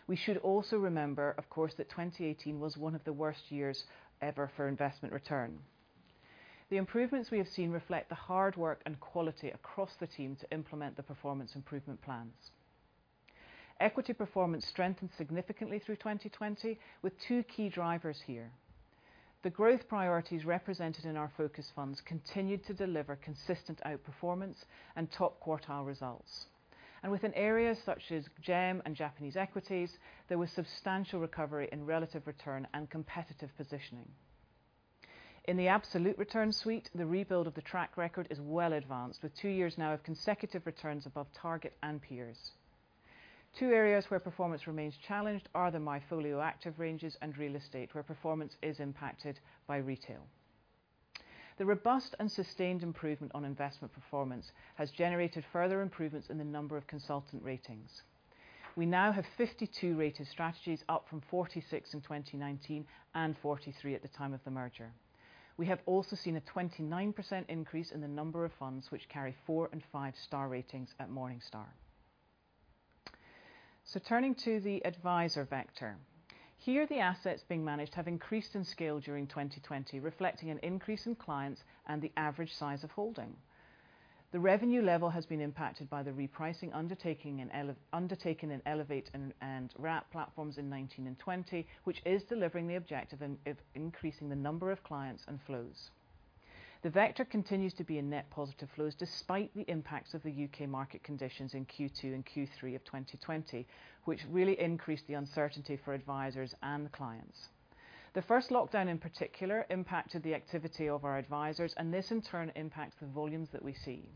We should also remember, of course, that 2018 was one of the worst years ever for investment return. The improvements we have seen reflect the hard work and quality across the team to implement the performance improvement plans. Equity performance strengthened significantly through 2020 with two key drivers here. The growth priorities represented in our focus funds continued to deliver consistent outperformance and top quartile results. Within areas such as GEM and Japanese equities, there was substantial recovery in relative return and competitive positioning. In the absolute return suite, the rebuild of the track record is well advanced, with two years now of consecutive returns above target and peers. Two areas where performance remains challenged are the MyFolio active ranges and real estate, where performance is impacted by retail. The robust and sustained improvement on investment performance has generated further improvements in the number of consultant ratings. We now have 52 rated strategies, up from 46 in 2019 and 43 at the time of the merger. We have also seen a 29% increase in the number of funds which carry four and five star ratings at Morningstar. Turning to the adviser vector. Here, the assets being managed have increased in scale during 2020, reflecting an increase in clients and the average size of holding. The revenue level has been impacted by the repricing undertaking in Elevate and Wrap platforms in 2019 and 2020, which is delivering the objective in increasing the number of clients and flows. The vector continues to be in net positive flows despite the impacts of the U.K. market conditions in Q2 and Q3 of 2020, which really increased the uncertainty for advisers and the clients. The first lockdown, in particular, impacted the activity of our advisers, and this in turn impacts the volumes that we see.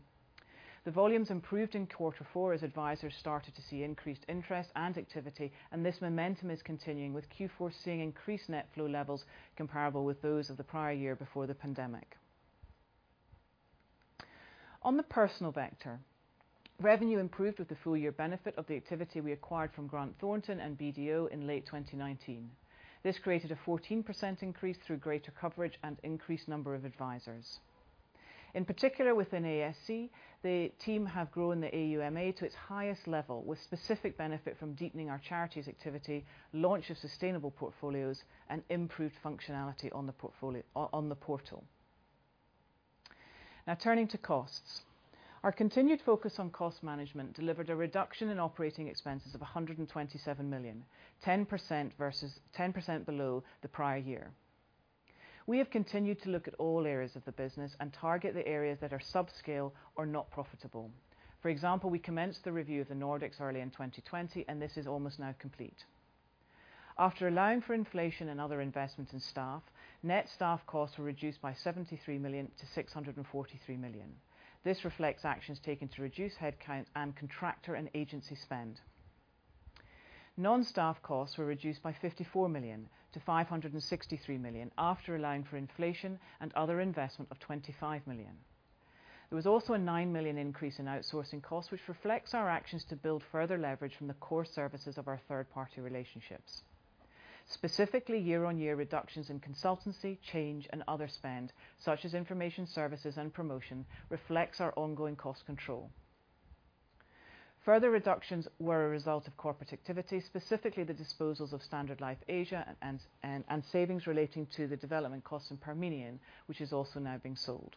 The volumes improved in quarter four as advisers started to see increased interest and activity, and this momentum is continuing with Q4 seeing increased net flow levels comparable with those of the prior year before the pandemic. On the personal vector, revenue improved with the full year benefit of the activity we acquired from Grant Thornton and BDO in late 2019. This created a 14% increase through greater coverage and increased number of advisers. In particular within ASC, the team have grown the AUMA to its highest level, with specific benefit from deepening our charities activity, launch of sustainable portfolios and improved functionality on the portal. Now turning to costs. Our continued focus on cost management delivered a reduction in operating expenses of 127 million, 10% below the prior year. We have continued to look at all areas of the business and target the areas that are subscale or not profitable. For example, we commenced the review of the Nordics early in 2020, and this is almost now complete. After allowing for inflation and other investments in staff, net staff costs were reduced by 73 million-643 million. This reflects actions taken to reduce headcount and contractor and agency spend. Non-staff costs were reduced by 54 million-563 million after allowing for inflation and other investment of 25 million. There was also a 9 million increase in outsourcing costs, which reflects our actions to build further leverage from the core services of our third-party relationships. Specifically, year-on-year reductions in consultancy, change, and other spend, such as information services and promotion, reflects our ongoing cost control. Further reductions were a result of corporate activity, specifically the disposals of Standard Life Asia and savings relating to the development costs in Parmenion, which is also now being sold.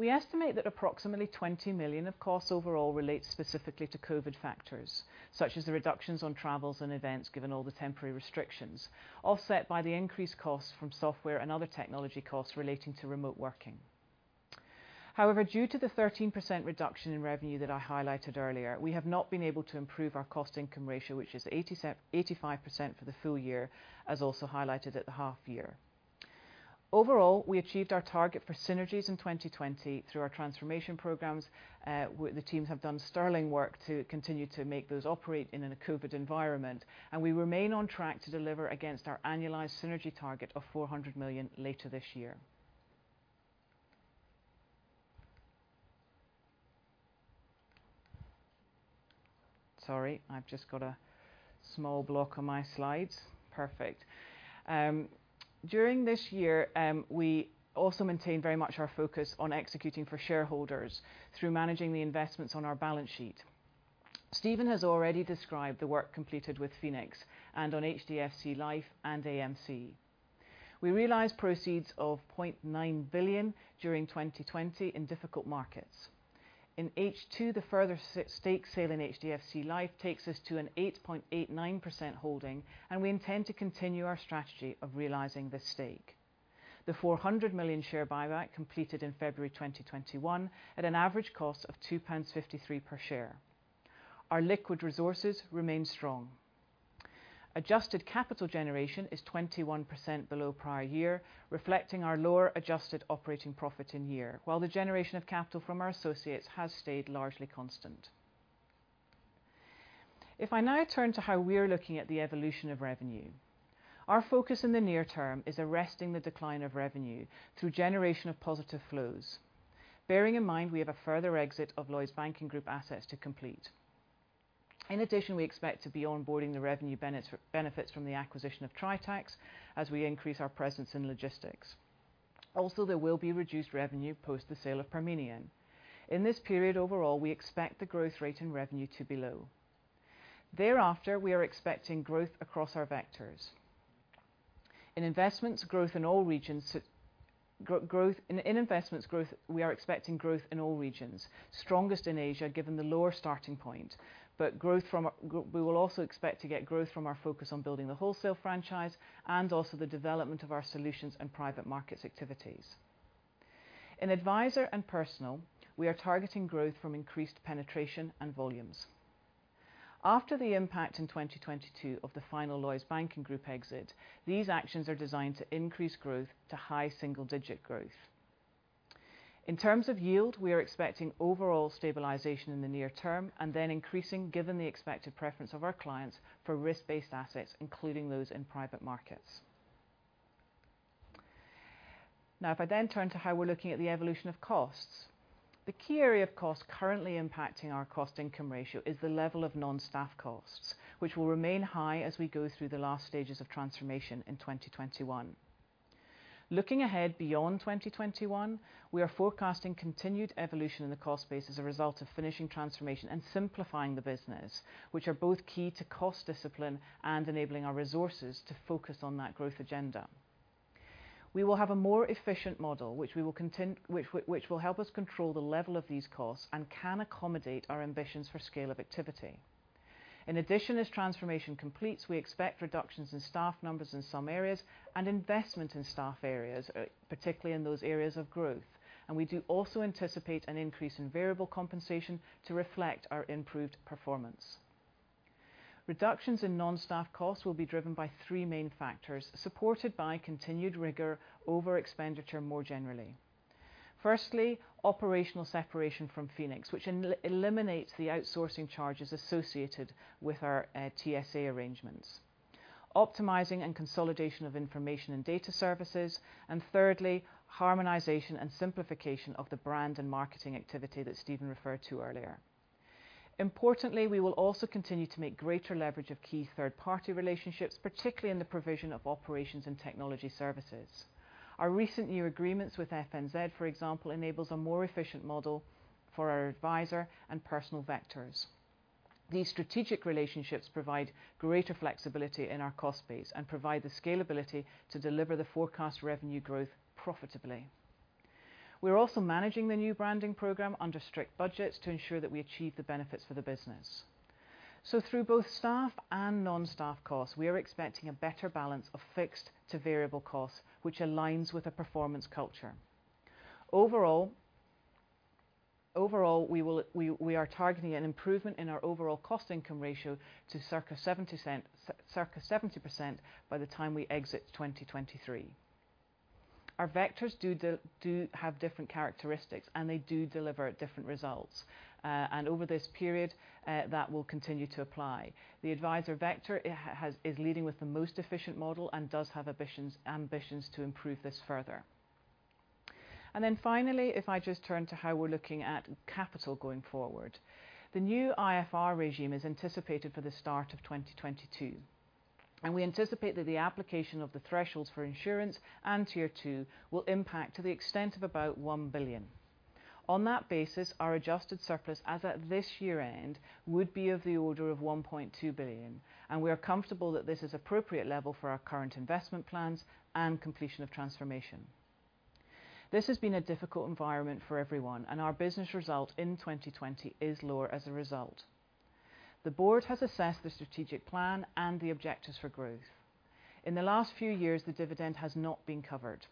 We estimate that approximately 20 million of costs overall relate specifically to COVID factors, such as the reductions on travels and events given all the temporary restrictions, offset by the increased costs from software and other technology costs relating to remote working. However, due to the 13% reduction in revenue that I highlighted earlier, we have not been able to improve our cost-income ratio, which is 85% for the full year, as also highlighted at the half year. Overall, we achieved our target for synergies in 2020 through our transformation programs. The teams have done sterling work to continue to make those operate in a COVID environment, and we remain on track to deliver against our annualized synergy target of 400 million later this year. Sorry, I've just got a small block on my slides. Perfect. During this year, we also maintained very much our focus on executing for shareholders through managing the investments on our balance sheet. Stephen has already described the work completed with Phoenix and on HDFC Life and AMC. We realized proceeds of 0.9 billion during 2020 in difficult markets. In H2, the further stake sale in HDFC Life takes us to an 8.89% holding, and we intend to continue our strategy of realizing this stake. The 400 million share buyback completed in February 2021 at an average cost of 2.53 pounds per share. Our liquid resources remain strong. Adjusted capital generation is 21% below prior year, reflecting our lower adjusted operating profit in year, while the generation of capital from our associates has stayed largely constant. If I now turn to how we're looking at the evolution of revenue. Our focus in the near term is arresting the decline of revenue through generation of positive flows. Bearing in mind we have a further exit of Lloyds Banking Group assets to complete. We expect to be onboarding the revenue benefits from the acquisition of Tritax as we increase our presence in logistics. There will be reduced revenue post the sale of Parmenion. In this period overall, we expect the growth rate in revenue to be low. Thereafter, we are expecting growth across our vectors. In investments growth, we are expecting growth in all regions, strongest in Asia, given the lower starting point. We will also expect to get growth from our focus on building the wholesale franchise and also the development of our solutions and private markets activities. In adviser and personal, we are targeting growth from increased penetration and volumes. After the impact in 2022 of the final Lloyds Banking Group exit, these actions are designed to increase growth to high single-digit growth. In terms of yield, we are expecting overall stabilization in the near term and then increasing given the expected preference of our clients for risk-based assets, including those in private markets. If I turn to how we're looking at the evolution of costs. The key area of cost currently impacting our cost-income ratio is the level of non-staff costs, which will remain high as we go through the last stages of transformation in 2021. Looking ahead beyond 2021, we are forecasting continued evolution in the cost base as a result of finishing transformation and simplifying the business, which are both key to cost discipline and enabling our resources to focus on that growth agenda. We will have a more efficient model, which will help us control the level of these costs and can accommodate our ambitions for scale of activity. In addition, as transformation completes, we expect reductions in staff numbers in some areas and investment in staff areas, particularly in those areas of growth. We do also anticipate an increase in variable compensation to reflect our improved performance. Reductions in non-staff costs will be driven by three main factors, supported by continued rigor over expenditure more generally. Firstly, operational separation from Phoenix, which eliminates the outsourcing charges associated with our TSA arrangements. Optimizing and consolidation of information and data services. Thirdly, harmonization and simplification of the brand and marketing activity that Stephen referred to earlier. Importantly, we will also continue to make greater leverage of key third-party relationships, particularly in the provision of operations and technology services. Our recent new agreements with FNZ, for example, enables a more efficient model for our adviser and personal vectors. These strategic relationships provide greater flexibility in our cost base and provide the scalability to deliver the forecast revenue growth profitably. We are also managing the new branding program under strict budgets to ensure that we achieve the benefits for the business. Through both staff and non-staff costs, we are expecting a better balance of fixed to variable costs, which aligns with a performance culture. Overall, we are targeting an improvement in our overall cost-income ratio to circa 70% by the time we exit 2023. Our vectors do have different characteristics, and they do deliver different results. Over this period, that will continue to apply. The adviser vector is leading with the most efficient model and does have ambitions to improve this further. Finally, if I just turn to how we're looking at capital going forward. The new IFPR regime is anticipated for the start of 2022, and we anticipate that the application of the thresholds for insurance and Tier 2 will impact to the extent of about 1 billion. On that basis, our adjusted surplus as at this year-end would be of the order of 1.2 billion, and we are comfortable that this is appropriate level for our current investment plans and completion of transformation. This has been a difficult environment for everyone, and our business result in 2020 is lower as a result. The board has assessed the strategic plan and the objectives for growth. In the last few years, the dividend has not been covered.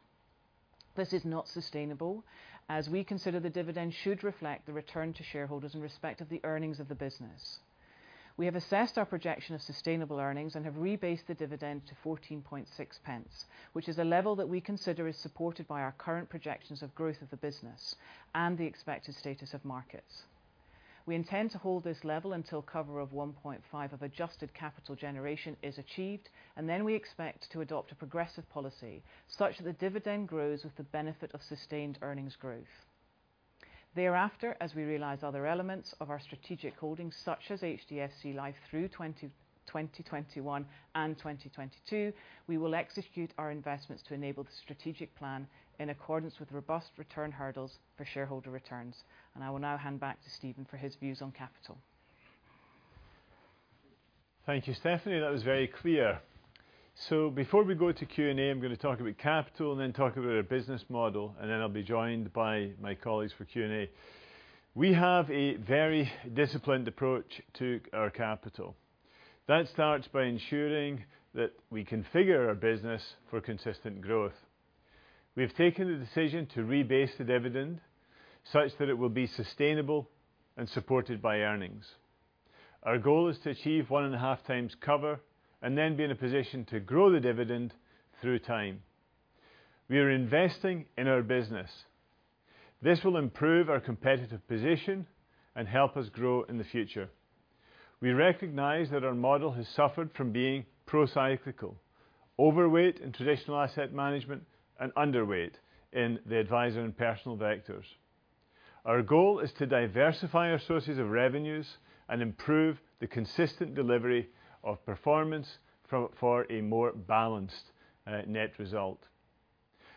This is not sustainable, as we consider the dividend should reflect the return to shareholders in respect of the earnings of the business. We have assessed our projection of sustainable earnings and have rebased the dividend to 0.146, which is a level that we consider is supported by our current projections of growth of the business and the expected status of markets. We intend to hold this level until cover of 1.5 of adjusted capital generation is achieved, then we expect to adopt a progressive policy such that the dividend grows with the benefit of sustained earnings growth. Thereafter, as we realize other elements of our strategic holdings such as HDFC Life through 2021 and 2022, we will execute our investments to enable the strategic plan in accordance with robust return hurdles for shareholder returns. I will now hand back to Stephen for his views on capital. Thank you, Stephanie. That was very clear. Before we go to Q&A, I'm going to talk about capital and then talk about our business model, and then I'll be joined by my colleagues for Q&A. We have a very disciplined approach to our capital. That starts by ensuring that we configure our business for consistent growth. We have taken the decision to rebase the dividend such that it will be sustainable and supported by earnings. Our goal is to achieve one and a half times cover and then be in a position to grow the dividend through time. We are investing in our business. This will improve our competitive position and help us grow in the future. We recognize that our model has suffered from being pro-cyclical, overweight in traditional asset management, and underweight in the adviser and personal vectors. Our goal is to diversify our sources of revenues and improve the consistent delivery of performance for a more balanced net result.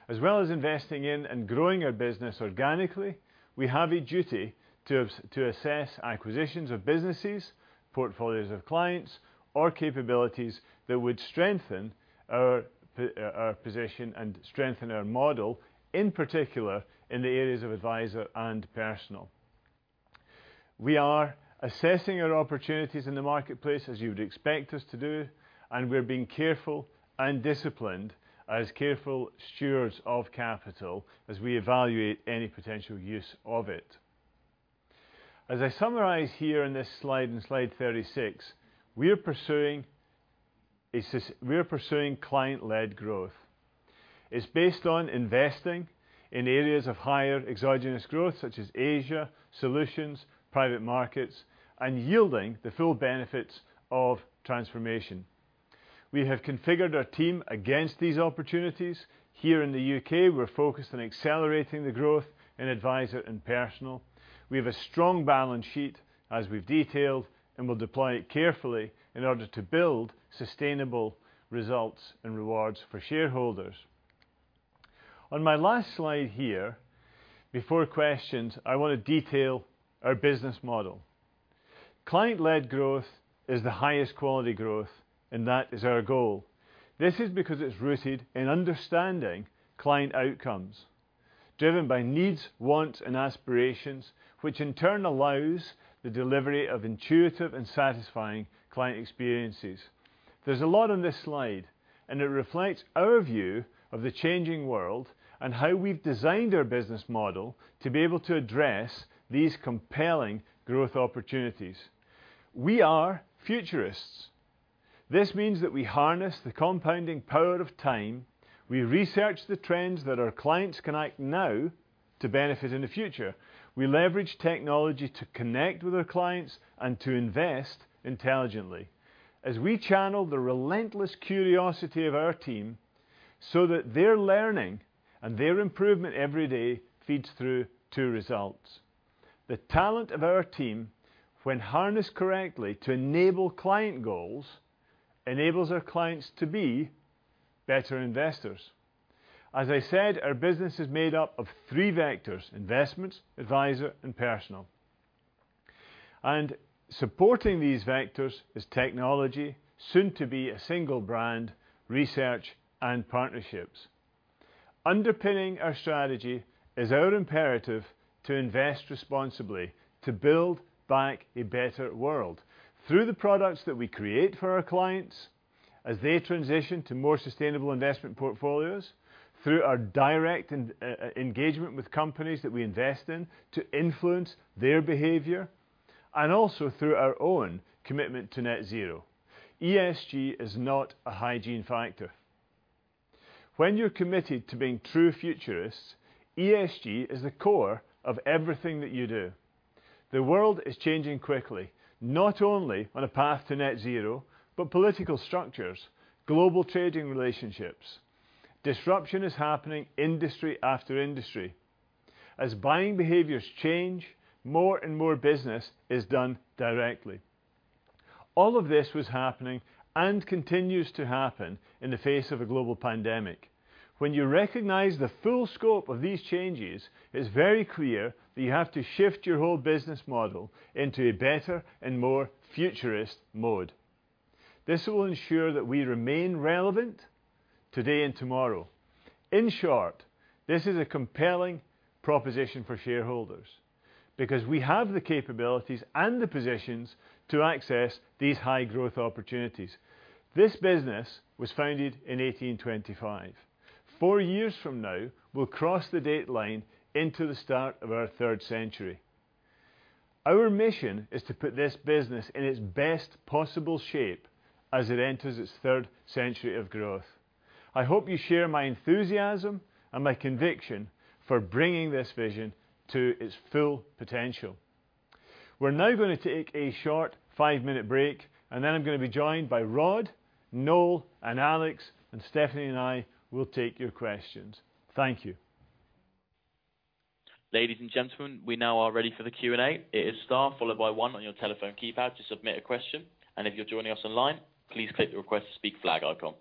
As well as investing in and growing our business organically, we have a duty to assess acquisitions of businesses, portfolios of clients, or capabilities that would strengthen our position and strengthen our model, in particular in the areas of adviser and personal. We are assessing our opportunities in the marketplace as you would expect us to do. We're being careful and disciplined as careful stewards of capital as we evaluate any potential use of it. As I summarize here in this slide, in slide 36, we're pursuing client-led growth. It's based on investing in areas of higher exogenous growth such as Asia, solutions, private markets, and yielding the full benefits of transformation. We have configured our team against these opportunities. Here in the U.K., we're focused on accelerating the growth in advisor and personal. We have a strong balance sheet, as we've detailed, and we'll deploy it carefully in order to build sustainable results and rewards for shareholders. On my last slide here, before questions, I want to detail our business model. Client-led growth is the highest quality growth, and that is our goal. This is because it's rooted in understanding client outcomes, driven by needs, wants, and aspirations, which in turn allows the delivery of intuitive and satisfying client experiences. There's a lot on this slide, and it reflects our view of the changing world and how we've designed our business model to be able to address these compelling growth opportunities. We are futurists. This means that we harness the compounding power of time. We research the trends that our clients can act now to benefit in the future. We leverage technology to connect with our clients and to invest intelligently. We channel the relentless curiosity of our team so that their learning and their improvement every day feeds through to results. The talent of our team, when harnessed correctly to enable client goals, enables our clients to be better investors. As I said, our business is made up of three vectors, investments, Adviser, and personal. Supporting these vectors is technology, soon to be a single brand, research, and partnerships. Underpinning our strategy is our imperative to invest responsibly, to build back a better world through the products that we create for our clients as they transition to more sustainable investment portfolios, through our direct engagement with companies that we invest in to influence their behavior, and also through our own commitment to net zero. ESG is not a hygiene factor. When you're committed to being true futurists, ESG is the core of everything that you do. The world is changing quickly, not only on a path to net zero, but political structures, global trading relationships. Disruption is happening industry after industry. As buying behaviors change, more and more business is done directly. All of this was happening and continues to happen in the face of a global pandemic. When you recognize the full scope of these changes, it's very clear that you have to shift your whole business model into a better and more futurist mode. This will ensure that we remain relevant today and tomorrow. In short, this is a compelling proposition for shareholders because we have the capabilities and the positions to access these high growth opportunities. This business was founded in 1825. Four years from now, we'll cross the date line into the start of our third century. Our mission is to put this business in its best possible shape as it enters its third century of growth. I hope you share my enthusiasm and my conviction for bringing this vision to its full potential. We're now going to take a short 5-minute break, then I'm going to be joined by Rod, Noel, and Alex, and Stephanie and I will take your questions. Thank you. Ladies and gentlemen, we now are ready for the Q&A. It is star followed by one on your telephone keypad to submit a question. If you're joining us online, please click the Request to Speak flag icon.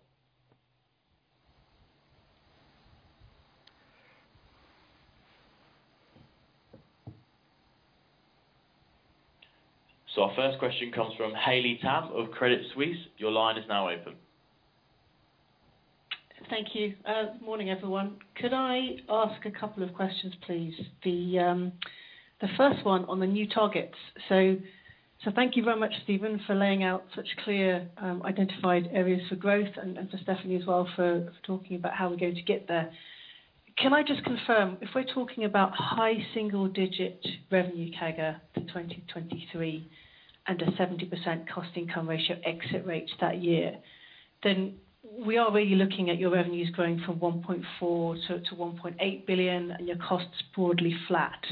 Our first question comes from Haley Tam of Credit Suisse. Your line is now open. Thank you. Morning, everyone. Could I ask a couple of questions, please? The first one on the new targets. Thank you very much, Stephen, for laying out such clear identified areas for growth and for Stephanie as well for talking about how we're going to get there. Can I just confirm, if we're talking about high single digit revenue CAGR for 2023 and a 70% cost-income ratio exit rate that year, then we are really looking at your revenues growing from 1.4 billion-1.8 billion and your costs broadly flat.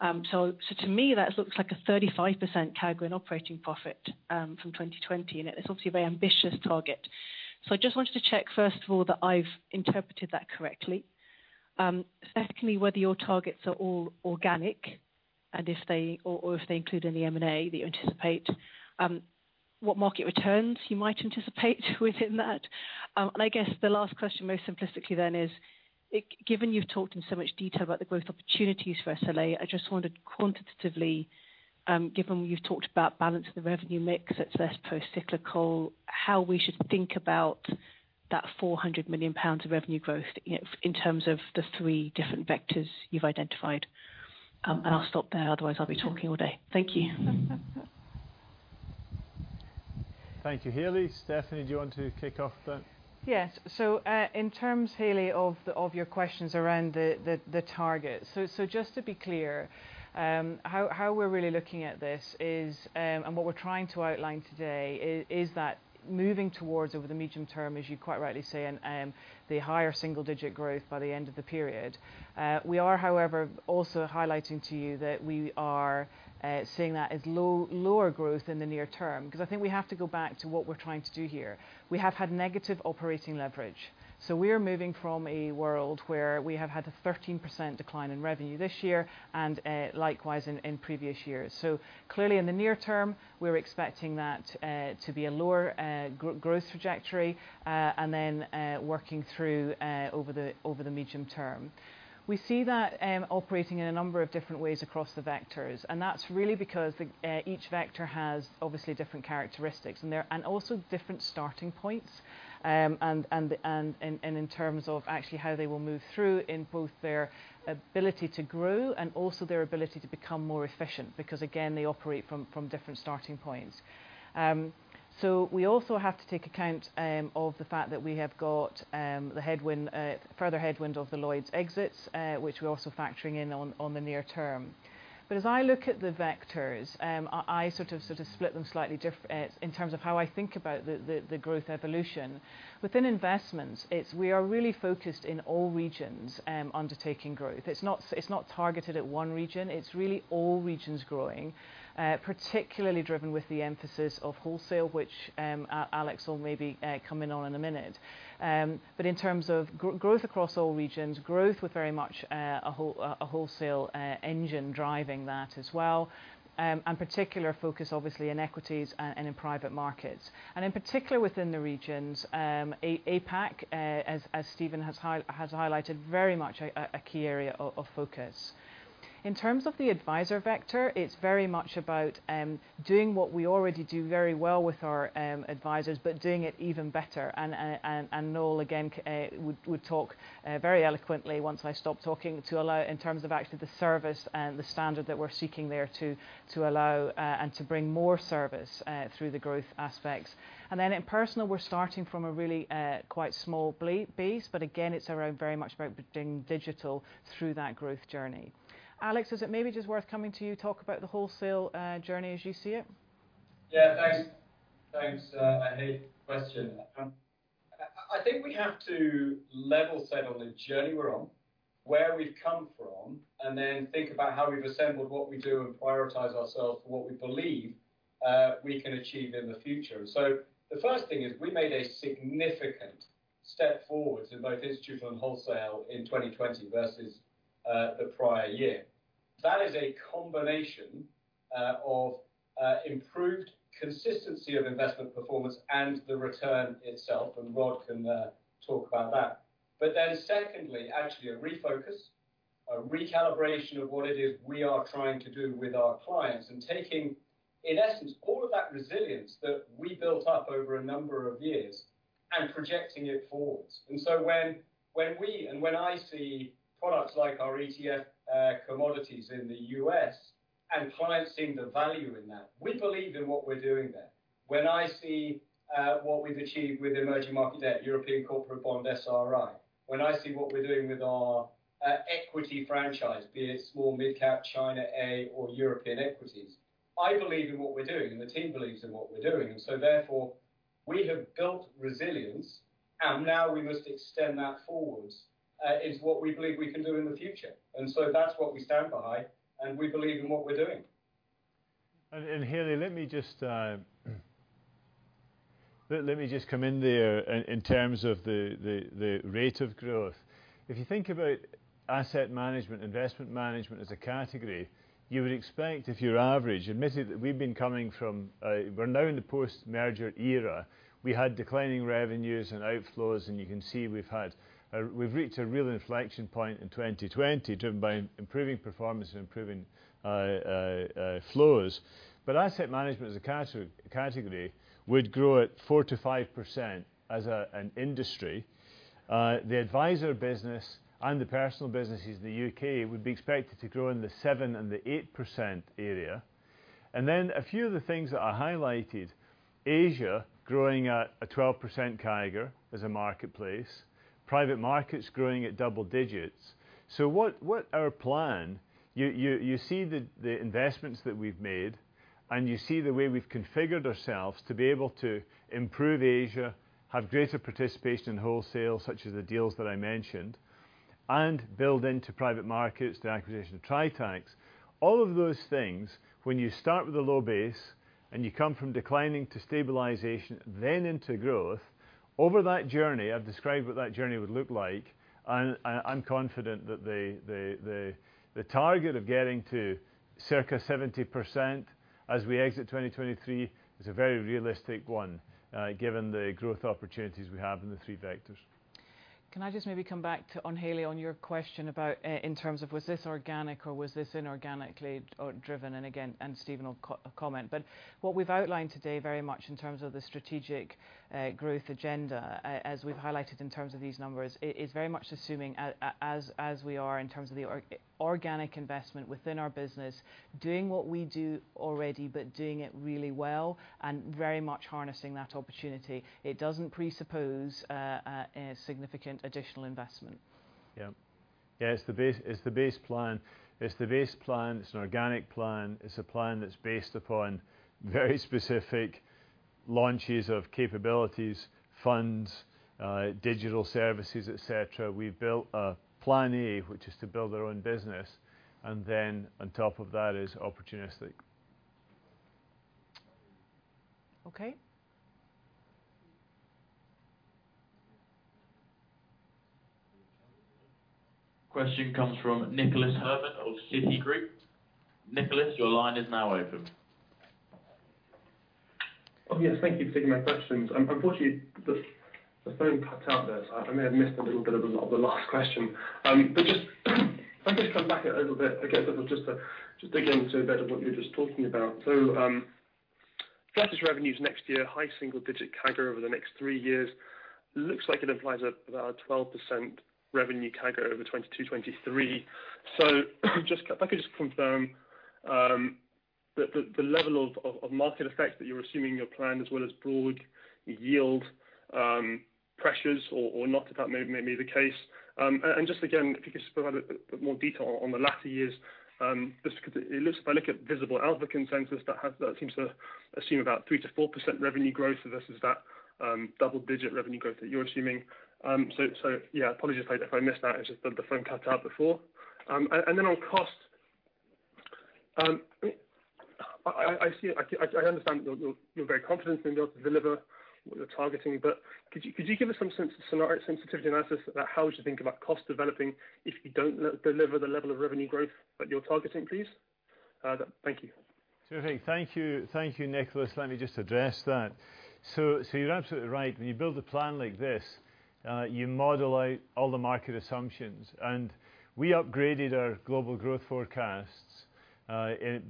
To me, that looks like a 35% CAGR in operating profit from 2020, and it's obviously a very ambitious target. I just wanted to check, first of all, that I've interpreted that correctly. Secondly, whether your targets are all organic and if they, or if they include any M&A that you anticipate, what market returns you might anticipate within that. I guess the last question most simplistically then is, given you've talked in so much detail about the growth opportunities for SLA, I just wondered quantitatively, given you've talked about balancing the revenue mix that's less pro-cyclical, how we should think about that 400 million pounds of revenue growth in terms of the three different vectors you've identified. I'll stop there, otherwise I'll be talking all day. Thank you. Thank you, Haley. Stephanie, do you want to kick off then? Yes. In terms, Haley, of your questions around the target. Just to be clear, how we're really looking at this is, and what we're trying to outline today is that moving towards over the medium term, as you quite rightly say, the higher single digit growth by the end of the period. We are, however, also highlighting to you that we are seeing that as lower growth in the near term. I think we have to go back to what we're trying to do here. We have had negative operating leverage. We are moving from a world where we have had a 13% decline in revenue this year and likewise in previous years. Clearly in the near term, we're expecting that to be a lower growth trajectory, and then working through over the medium term. We see that operating in a number of different ways across the vectors. That's really because each vector has obviously different characteristics and also different starting points. In terms of actually how they will move through in both their ability to grow and also their ability to become more efficient, because, again, they operate from different starting points. We also have to take account of the fact that we have got the further headwind of the Lloyds exits, which we're also factoring in on the near term. As I look at the vectors, I sort of split them slightly in terms of how I think about the growth evolution. Within investments, we are really focused in all regions, undertaking growth. It's not targeted at one region. It's really all regions growing, particularly driven with the emphasis of wholesale, which Alex will maybe come in on in a minute. In terms of growth across all regions, growth with very much a wholesale engine driving that as well, and particular focus obviously in equities and in private markets. In particular within the regions, APAC, as Steven has highlighted, very much a key area of focus. In terms of the adviser vector, it's very much about doing what we already do very well with our advisers, but doing it even better. Noel, again, would talk very eloquently once I stop talking, in terms of actually the service and the standard that we're seeking there to allow and to bring more service through the growth aspects. In personal, we're starting from a really quite small base, but again, it's around very much about building digital through that growth journey. Alex, is it maybe just worth coming to you talk about the wholesale journey as you see it? Yeah, thanks. Haley, question. I think we have to level set on the journey we're on, where we've come from, then think about how we've assembled what we do and prioritize ourselves for what we believe we can achieve in the future. The first thing is we made a significant step forward in both institutional and wholesale in 2020 versus the prior year. That is a combination of improved consistency of investment performance and the return itself. Rod can talk about that. Secondly, actually a refocus, a recalibration of what it is we are trying to do with our clients, and taking in essence all of that resilience that we built up over a number of years and projecting it forwards. When I see products like our ETF commodities in the U.S. and clients seeing the value in that, we believe in what we're doing there. When I see what we've achieved with emerging market debt, European corporate bond SRI. When I see what we're doing with our equity franchise, be it small mid-cap China A or European equities. I believe in what we're doing, and the team believes in what we're doing, and so therefore we have built resilience and now we must extend that forwards, is what we believe we can do in the future. That's what we stand by and we believe in what we're doing. Haley, let me just come in there in terms of the rate of growth. If you think about asset management, investment management as a category, you would expect if you're average, admittedly we're now in the post-merger era. We had declining revenues and outflows, and you can see we've reached a real inflection point in 2020 driven by improving performance and improving flows. Asset management as a category would grow at 4%-5% as an industry. The adviser business and the personal businesses in the U.K. would be expected to grow in the 7%-8% area. A few of the things that I highlighted. Asia growing at a 12% CAGR as a marketplace. Private markets growing at double digits. What our plan, you see the investments that we've made, and you see the way we've configured ourselves to be able to improve Asia, have greater participation in wholesale, such as the deals that I mentioned, and build into private markets, the acquisition of Tritax. All of those things, when you start with a low base and you come from declining to stabilization then into growth, over that journey, I've described what that journey would look like. I'm confident that the target of getting to circa 70% as we exit 2023 is a very realistic one given the growth opportunities we have in the three vectors. Can I just maybe come back on Haley, on your question about in terms of was this organic or was this inorganically driven? Again, Steven will comment. What we’ve outlined today very much in terms of the strategic growth agenda, as we’ve highlighted in terms of these numbers, is very much assuming as we are in terms of the organic investment within our business, doing what we do already, but doing it really well and very much harnessing that opportunity. It doesn’t presuppose a significant additional investment. Yeah. It's the base plan. It's an organic plan. It's a plan that's based upon very specific launches of capabilities, funds, digital services, et cetera. We've built a plan A, which is to build our own business, and then on top of that is opportunistic. Okay. Question comes from Nicholas Herman of Citigroup. Nicholas, your line is now open. Oh, yes. Thank you for taking my questions. Unfortunately, the phone cut out there, so I may have missed a little bit of the last question. If I could just come back a little bit, I guess, just to dig into a bit of what you were just talking about. Flattest revenues next year, high single-digit CAGR over the next three years. Looks like it implies about a 12% revenue CAGR over 2022, 2023. If I could just confirm that the level of market effect that you're assuming your plan as well as broad yield pressures or not, if that may be the case. Just again, if you could just provide a bit more detail on the latter years, just because if I look at Visible Alpha consensus, that seems to assume about 3%-4% revenue growth versus that double-digit revenue growth that you're assuming. Yeah, apologies if I missed that. It's just that the phone cut out before. On cost, I understand that you're very confident that you'll be able to deliver what you're targeting, but could you give us some sense of scenario sensitivity analysis about how we should think about cost developing if you don't deliver the level of revenue growth that you're targeting, please? Thank you. Terrific. Thank you, Nicholas. Let me just address that. You're absolutely right. When you build a plan like this, you model out all the market assumptions. We upgraded our global growth forecasts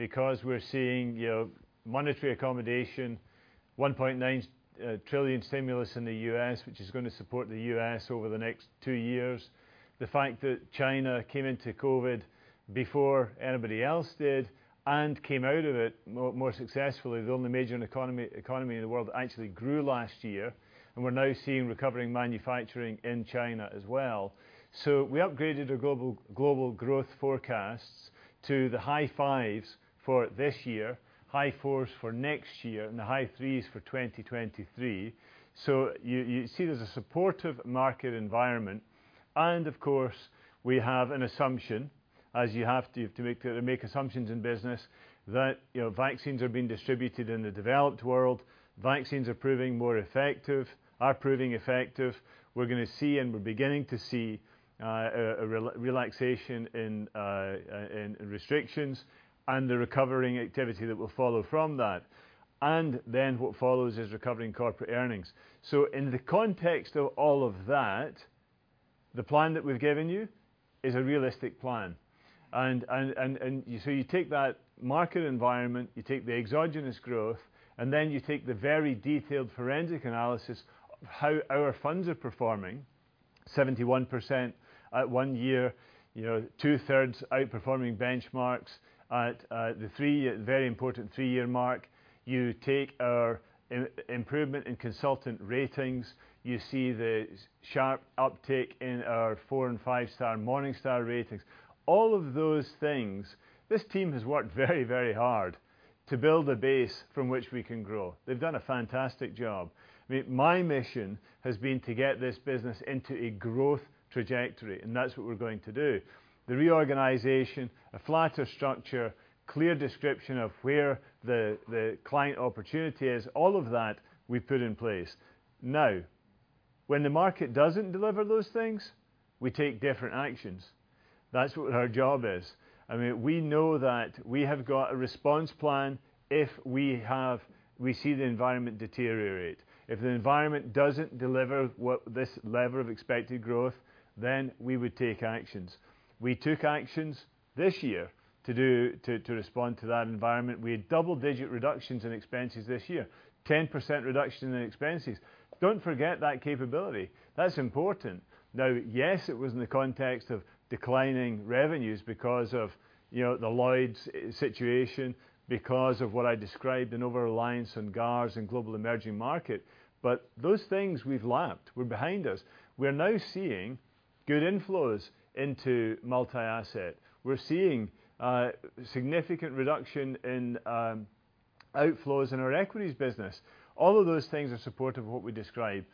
because we're seeing monetary accommodation, $1.9 trillion stimulus in the U.S., which is going to support the U.S. over the next two years. The fact that China came into COVID before anybody else did and came out of it more successfully, the only major economy in the world that actually grew last year, and we're now seeing recovering manufacturing in China as well. We upgraded our global growth forecasts to the high fives for this year, high fours for next year, and the high threes for 2023. You see there's a supportive market environment. Of course, we have an assumption, as you have to make assumptions in business, that vaccines are being distributed in the developed world, vaccines are proving effective. We're going to see and we're beginning to see a relaxation in restrictions and the recovering activity that will follow from that. What follows is recovering corporate earnings. In the context of all of that, the plan that we've given you is a realistic plan. You take that market environment, you take the exogenous growth, and then you take the very detailed forensic analysis of how our funds are performing, 71% at one year, two-thirds outperforming benchmarks at the very important three-year mark. You take our improvement in consultant ratings. You see the sharp uptick in our 4 and 5-star Morningstar ratings. All of those things, this team has worked very hard to build a base from which we can grow. They've done a fantastic job. My mission has been to get this business into a growth trajectory. That's what we're going to do. The reorganization, a flatter structure, clear description of where the client opportunity is, all of that we've put in place. When the market doesn't deliver those things, we take different actions. That's what our job is. We know that we have got a response plan if we see the environment deteriorate. If the environment doesn't deliver this level of expected growth, we would take actions. We took actions this year to respond to that environment. We had double-digit reductions in expenses this year, 10% reduction in expenses. Don't forget that capability. That's important. Yes, it was in the context of declining revenues because of the Lloyds situation, because of what I described in over-reliance on GARS and GEM. Those things we've lapped, were behind us. We're now seeing good inflows into multi-asset. We're seeing a significant reduction in outflows in our equities business. All of those things are supportive of what we describe.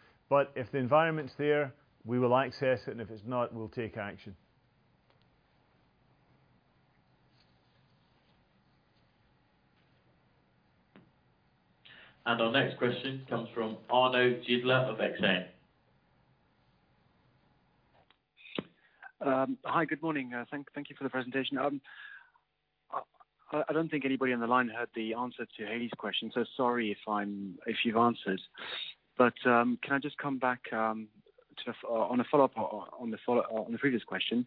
If the environment's there, we will access it, and if it's not, we'll take action. Our next question comes from Arnaud Giambrone of Exane. Hi, good morning. Thank you for the presentation. I don't think anybody on the line heard the answer to Haley's question, so sorry if you've answered. Can I just come back on the previous question?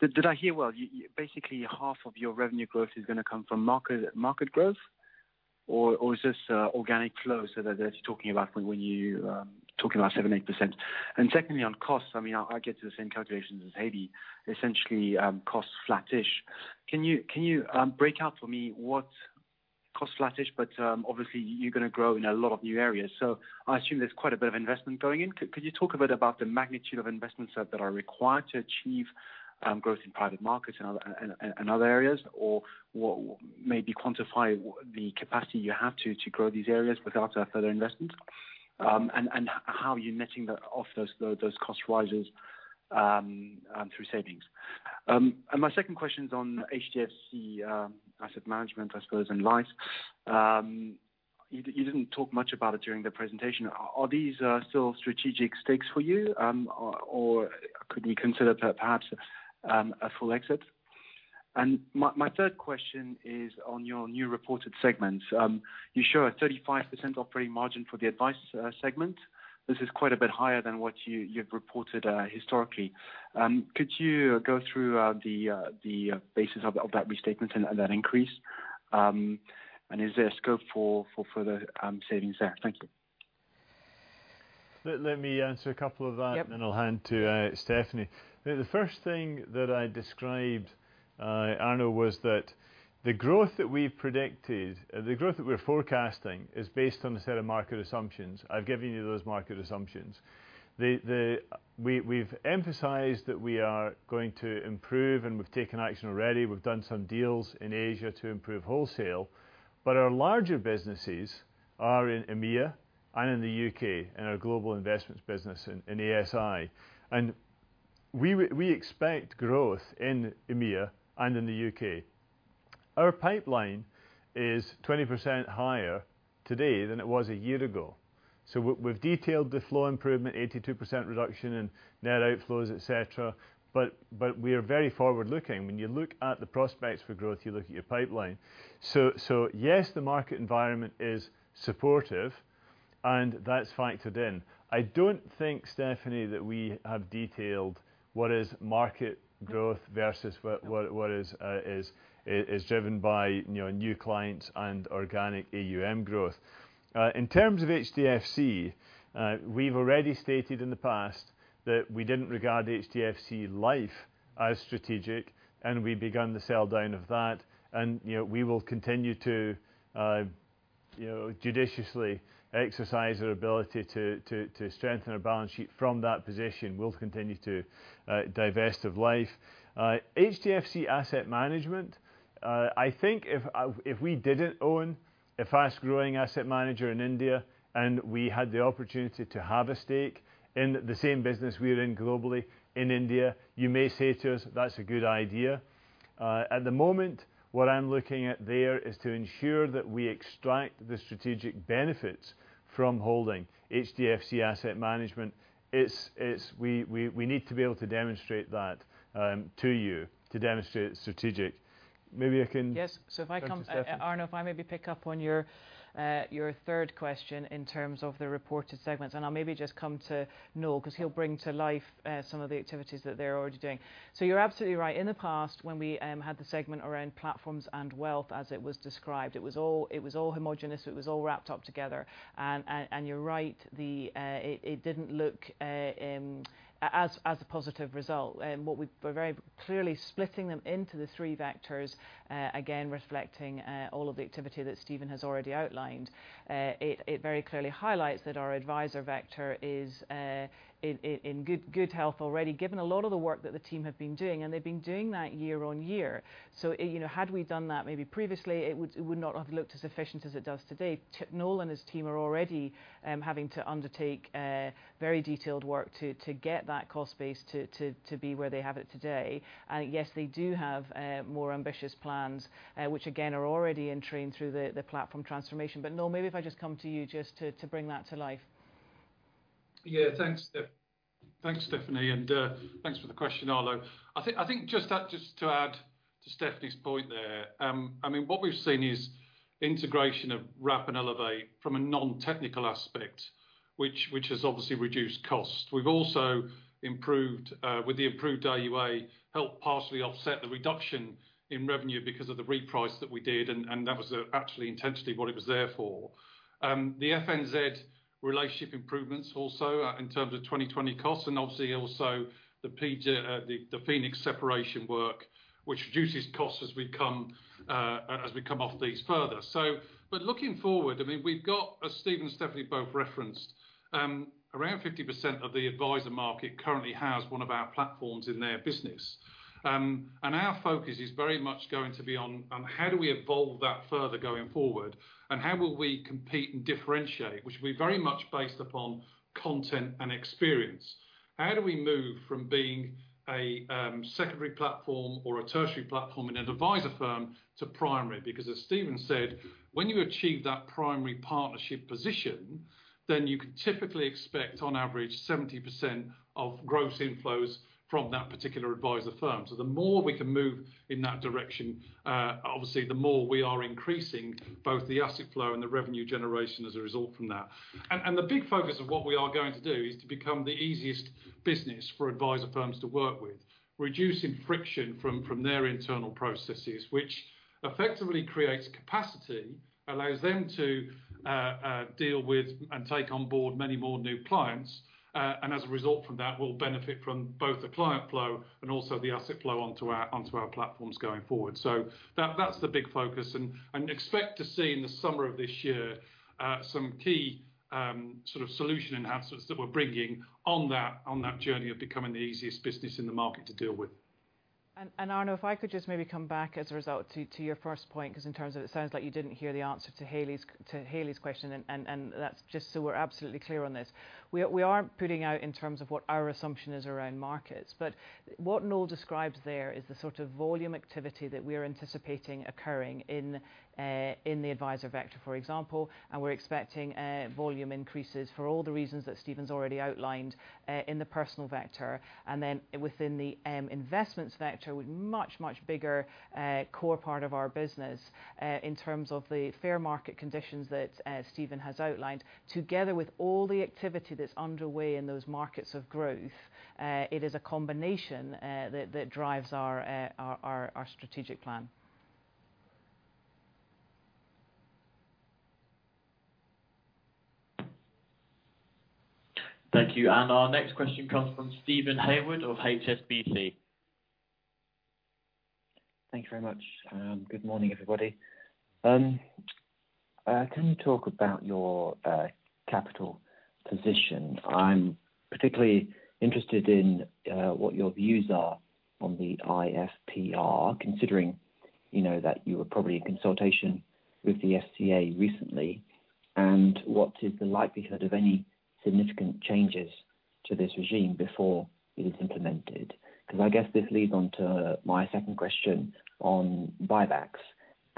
Did I hear well? Basically, half of your revenue growth is going to come from market growth, or is this organic flow that you're talking about when you talk about 7%-8%? Secondly, on costs, I get to the same calculations as Hayley. Essentially, costs flattish. Can you break out for me cost sluggish, but obviously you're going to grow in a lot of new areas. I assume there's quite a bit of investment going in. Could you talk a bit about the magnitude of investments that are required to achieve growth in private markets and other areas or maybe quantify the capacity you have to grow these areas without further investment? How you're netting that off those cost rises through savings. My second question is on HDFC Asset Management, I suppose, and Life. You didn't talk much about it during the presentation. Are these still strategic stakes for you? Or could you consider perhaps a full exit? My third question is on your new reported segments. You show a 35% operating margin for the advice segment. This is quite a bit higher than what you've reported historically. Could you go through the basis of that restatement and that increase? Is there scope for further savings there? Thank you. Let me answer a couple of that-. Yep. I'll hand to Stephanie. The first thing that I described, Arnaud, was that the growth that we've predicted, the growth that we're forecasting is based on a set of market assumptions. I've given you those market assumptions. We've emphasized that we are going to improve, and we've taken action already. We've done some deals in Asia to improve wholesale, but our larger businesses are in EMEA and in the U.K., and our global investments business in ASI. We expect growth in EMEA and in the U.K. Our pipeline is 20% higher today than it was a year ago. We've detailed the flow improvement, 82% reduction in net outflows, et cetera. We are very forward-looking. When you look at the prospects for growth, you look at your pipeline. Yes, the market environment is supportive, and that's factored in. I don't think, Stephanie, that we have detailed what is market growth versus what is driven by new clients and organic AUM growth. In terms of HDFC, we’ve already stated in the past that we didn’t regard HDFC Life as strategic. We begun the sell down of that. We will continue to judiciously exercise our ability to strengthen our balance sheet from that position. We’ll continue to divest of Life. HDFC Asset Management, I think if we didn’t own a fast-growing asset manager in India, and we had the opportunity to have a stake in the same business we are in globally in India, you may say to us, that’s a good idea. At the moment, what I’m looking at there is to ensure that we extract the strategic benefits from holding HDFC Asset Management. We need to be able to demonstrate that to you, to demonstrate it's strategic. Yes. Thanks, Stephanie. Arnaud, I maybe pick up on your third question in terms of the reported segments, I'll maybe just come to Noel because he'll bring to life some of the activities that they're already doing. You're absolutely right. In the past, when we had the segment around platforms and wealth as it was described, it was all homogenous, it was all wrapped up together. You're right, it didn't look as a positive result. We're very clearly splitting them into the three vectors, again, reflecting all of the activity that Steven has already outlined. It very clearly highlights that our advisor vector is in good health already, given a lot of the work that the team have been doing, and they've been doing that year-on-year. Had we done that maybe previously, it would not have looked as efficient as it does today. Noel and his team are already having to undertake very detailed work to get that cost base to be where they have it today. Yes, they do have more ambitious plans, which again, are already entrained through the platform transformation. Noel, maybe if I just come to you just to bring that to life. Thanks, Stephanie, and thanks for the question, Arnaud. I think just to add to Stephanie's point there, what we've seen is integration of Wrap and Elevate from a non-technical aspect, which has obviously reduced cost. We've also improved, with the improved AUA, helped partially offset the reduction in revenue because of the reprice that we did, and that was actually intentionally what it was there for. The FNZ relationship improvements also, in terms of 2020 costs, and obviously also the Phoenix separation work, which reduces costs as we come off these further. Looking forward, we've got, as Steven and Stephanie both referenced, around 50% of the advisor market currently has one of our platforms in their business. Our focus is very much going to be on how do we evolve that further going forward, and how will we compete and differentiate, which will be very much based upon content and experience. How do we move from being a secondary platform or a tertiary platform in an adviser firm to primary? As Steven said, when you achieve that primary partnership position, then you can typically expect on average 70% of gross inflows from that particular adviser firm. The more we can move in that direction, obviously the more we are increasing both the asset flow and the revenue generation as a result from that. The big focus of what we are going to do is to become the easiest business for adviser firms to work with. Reducing friction from their internal processes, which effectively creates capacity, allows them to deal with and take on board many more new clients. As a result from that, we'll benefit from both the client flow and also the asset flow onto our platforms going forward. That's the big focus, and expect to see in the summer of this year, some key solution enhancements that we're bringing on that journey of becoming the easiest business in the market to deal with. Arnaud, if I could just maybe come back as a result to your first point, because in terms of it sounds like you didn't hear the answer to Haley's question, and that's just so we're absolutely clear on this. We are putting out in terms of what our assumption is around markets. What Noel described there is the sort of volume activity that we are anticipating occurring in the adviser vector, for example, and we're expecting volume increases for all the reasons that Stephen's already outlined in the personal vector. Then within the investments vector, with much, much bigger core part of our business in terms of the fair market conditions that Stephen has outlined, together with all the activity that's underway in those markets of growth. It is a combination that drives our strategic plan. Thank you. Our next question comes from Steven Haywood of HSBC. Thank you very much. Good morning, everybody. Can you talk about your capital position? I am particularly interested in what your views are on the IFPR, considering that you were probably in consultation with the FCA recently. What is the likelihood of any significant changes to this regime before it is implemented? I guess this leads on to my second question on buybacks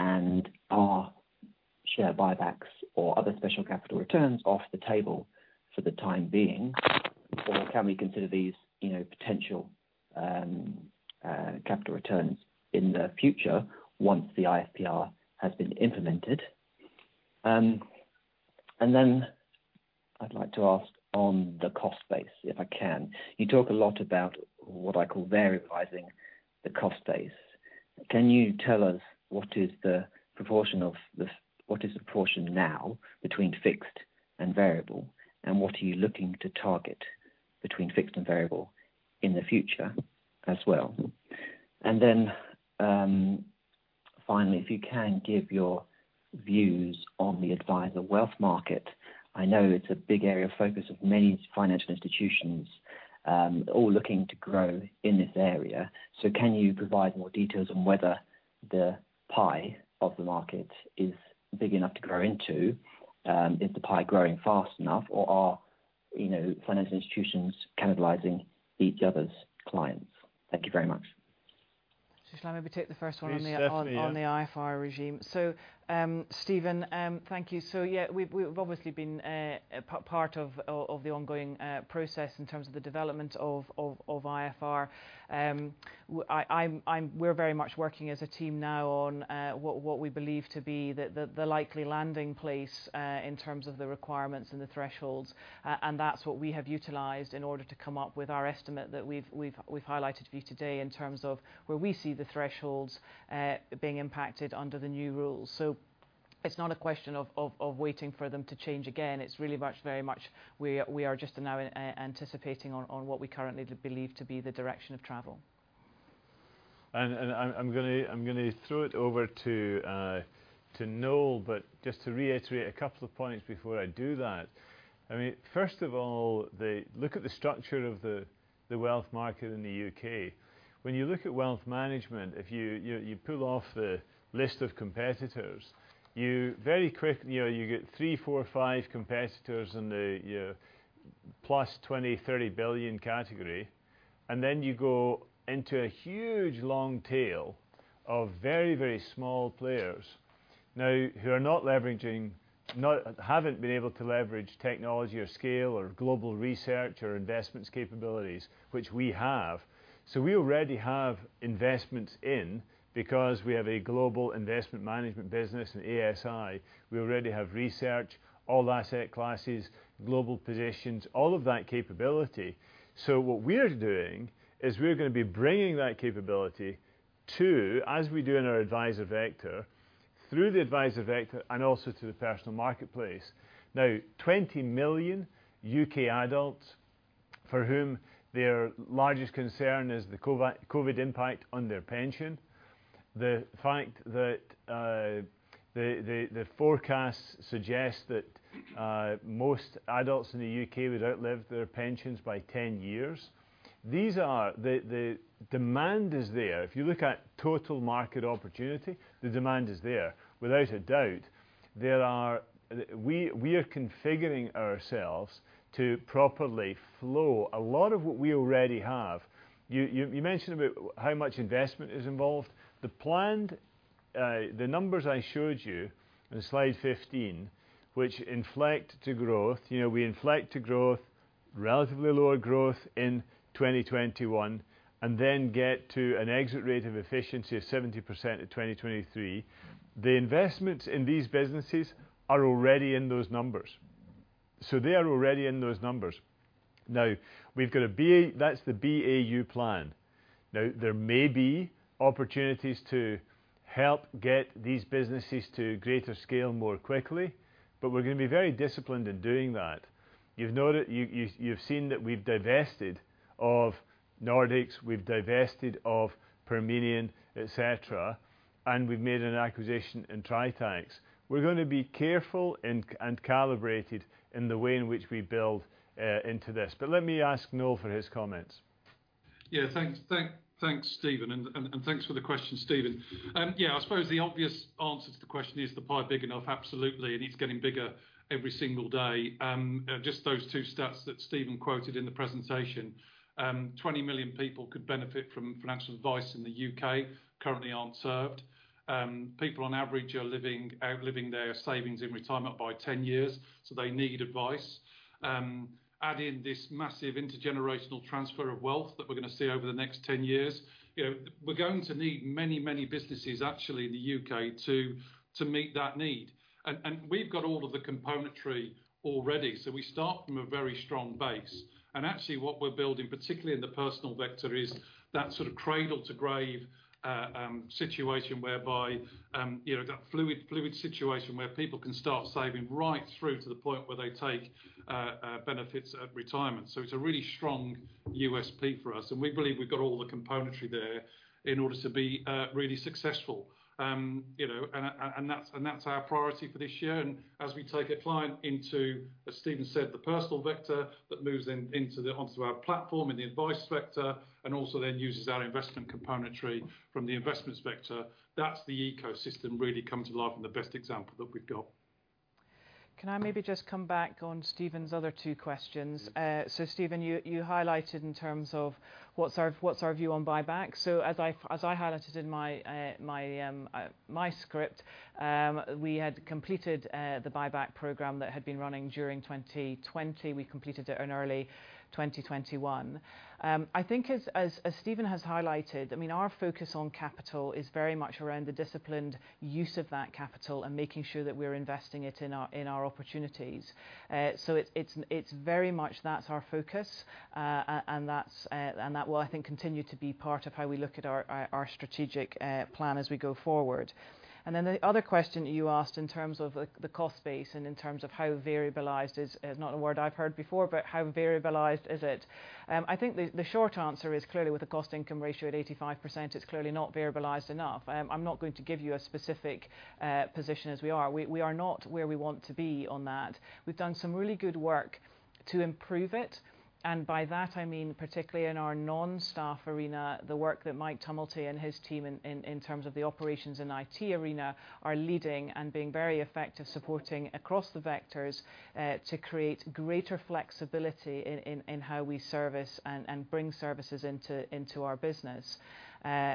and are share buybacks or other special capital returns off the table for the time being, or can we consider these potential capital returns in the future once the IFPR has been implemented? I'd like to ask on the cost base, if I can. You talk a lot about what I call variabilizing the cost base. Can you tell us what is the proportion now between fixed and variable, and what are you looking to target between fixed and variable in the future as well? Finally, if you can give your views on the adviser wealth market. I know it's a big area of focus of many financial institutions, all looking to grow in this area. Can you provide more details on whether the pie of the market is big enough to grow into? Is the pie growing fast enough or are financial institutions cannibalizing each other's clients? Thank you very much. Shall I maybe take the first one? Please, Stephanie, yeah. on the IFPR regime. Steven, thank you. Yeah, we've obviously been part of the ongoing process in terms of the development of IFPR. We're very much working as a team now on what we believe to be the likely landing place in terms of the requirements and the thresholds. That's what we have utilized in order to come up with our estimate that we've highlighted for you today in terms of where we see the thresholds being impacted under the new rules. It's not a question of waiting for them to change again. It's really very much we are just now anticipating on what we currently believe to be the direction of travel. I'm going to throw it over to Noel, but just to reiterate a couple of points before I do that. First of all, look at the structure of the wealth market in the U.K. When you look at wealth management, if you pull off the list of competitors, you get three, four, five competitors in the plus 20 billion, 30 billion category. Then you go into a huge long tail of very, very small players now who haven't been able to leverage technology or scale or global research or investments capabilities, which we have. We already have investments in because we have a global investment management business in ASI. We already have research, all asset classes, global positions, all of that capability. What we're doing is we're going to be bringing that capability to, as we do in our adviser vector, through the adviser vector and also to the personal marketplace. 20 million U.K. adults for whom their largest concern is the COVID impact on their pension. The fact that the forecasts suggest that most adults in the U.K. will outlive their pensions by 10 years. The demand is there. If you look at total market opportunity, the demand is there. Without a doubt, we are configuring ourselves to properly flow a lot of what we already have. You mentioned about how much investment is involved. The numbers I showed you on slide 15, which inflect to growth. We inflect to growth, relatively lower growth in 2021, and then get to an exit rate of efficiency of 70% in 2023. The investments in these businesses are already in those numbers. They are already in those numbers. That's the BAU plan. There may be opportunities to help get these businesses to greater scale more quickly, but we're going to be very disciplined in doing that. You've seen that we've divested of Nordics, we've divested of Parmenion, et cetera, and we've made an acquisition in Tritax. We're going to be careful and calibrated in the way in which we build into this. Let me ask Noel for his comments. Yeah. Thanks, Steven, and thanks for the question, Steven. I suppose the obvious answer to the question is the pie big enough. Absolutely, it's getting bigger every single day. Just those two stats that Steven quoted in the presentation, 20 million people could benefit from financial advice in the U.K. currently aren't served. People on average are outliving their savings in retirement by 10 years, so they need advice. Add in this massive intergenerational transfer of wealth that we're going to see over the next 10 years. We're going to need many businesses actually in the U.K. to meet that need. We've got all of the componentry already, so we start from a very strong base. Actually what we're building, particularly in the personal vector, is that sort of cradle-to-grave situation whereby that fluid situation where people can start saving right through to the point where they take benefits at retirement. It's a really strong USP for us, and we believe we've got all the componentry there in order to be really successful. That's our priority for this year. As we take a client into, as Stephen said, the personal vector that moves then onto our platform in the advice vector, and also then uses our investment componentry from the investments vector. That's the ecosystem really comes to life and the best example that we've got. Can I maybe just come back on Steven's other two questions? Steven, you highlighted in terms of what's our view on buybacks. As I highlighted in my script, we had completed the buyback program that had been running during 2020. We completed it in early 2021. I think as Steven has highlighted, our focus on capital is very much around the disciplined use of that capital and making sure that we're investing it in our opportunities. It's very much that's our focus, and that will, I think, continue to be part of how we look at our strategic plan as we go forward. The other question that you asked in terms of the cost base and in terms of how variabilized is, not a word I've heard before, but how variabilized is it? I think the short answer is clearly with the cost-income ratio at 85%, it's clearly not variabilized enough. I'm not going to give you a specific position as we are not where we want to be on that. We've done some really good work to improve it, and by that I mean particularly in our non-staff arena, the work that Mike Tumilty and his team in terms of the operations in IT arena are leading and being very effective supporting across the vectors, to create greater flexibility in how we service and bring services into our business,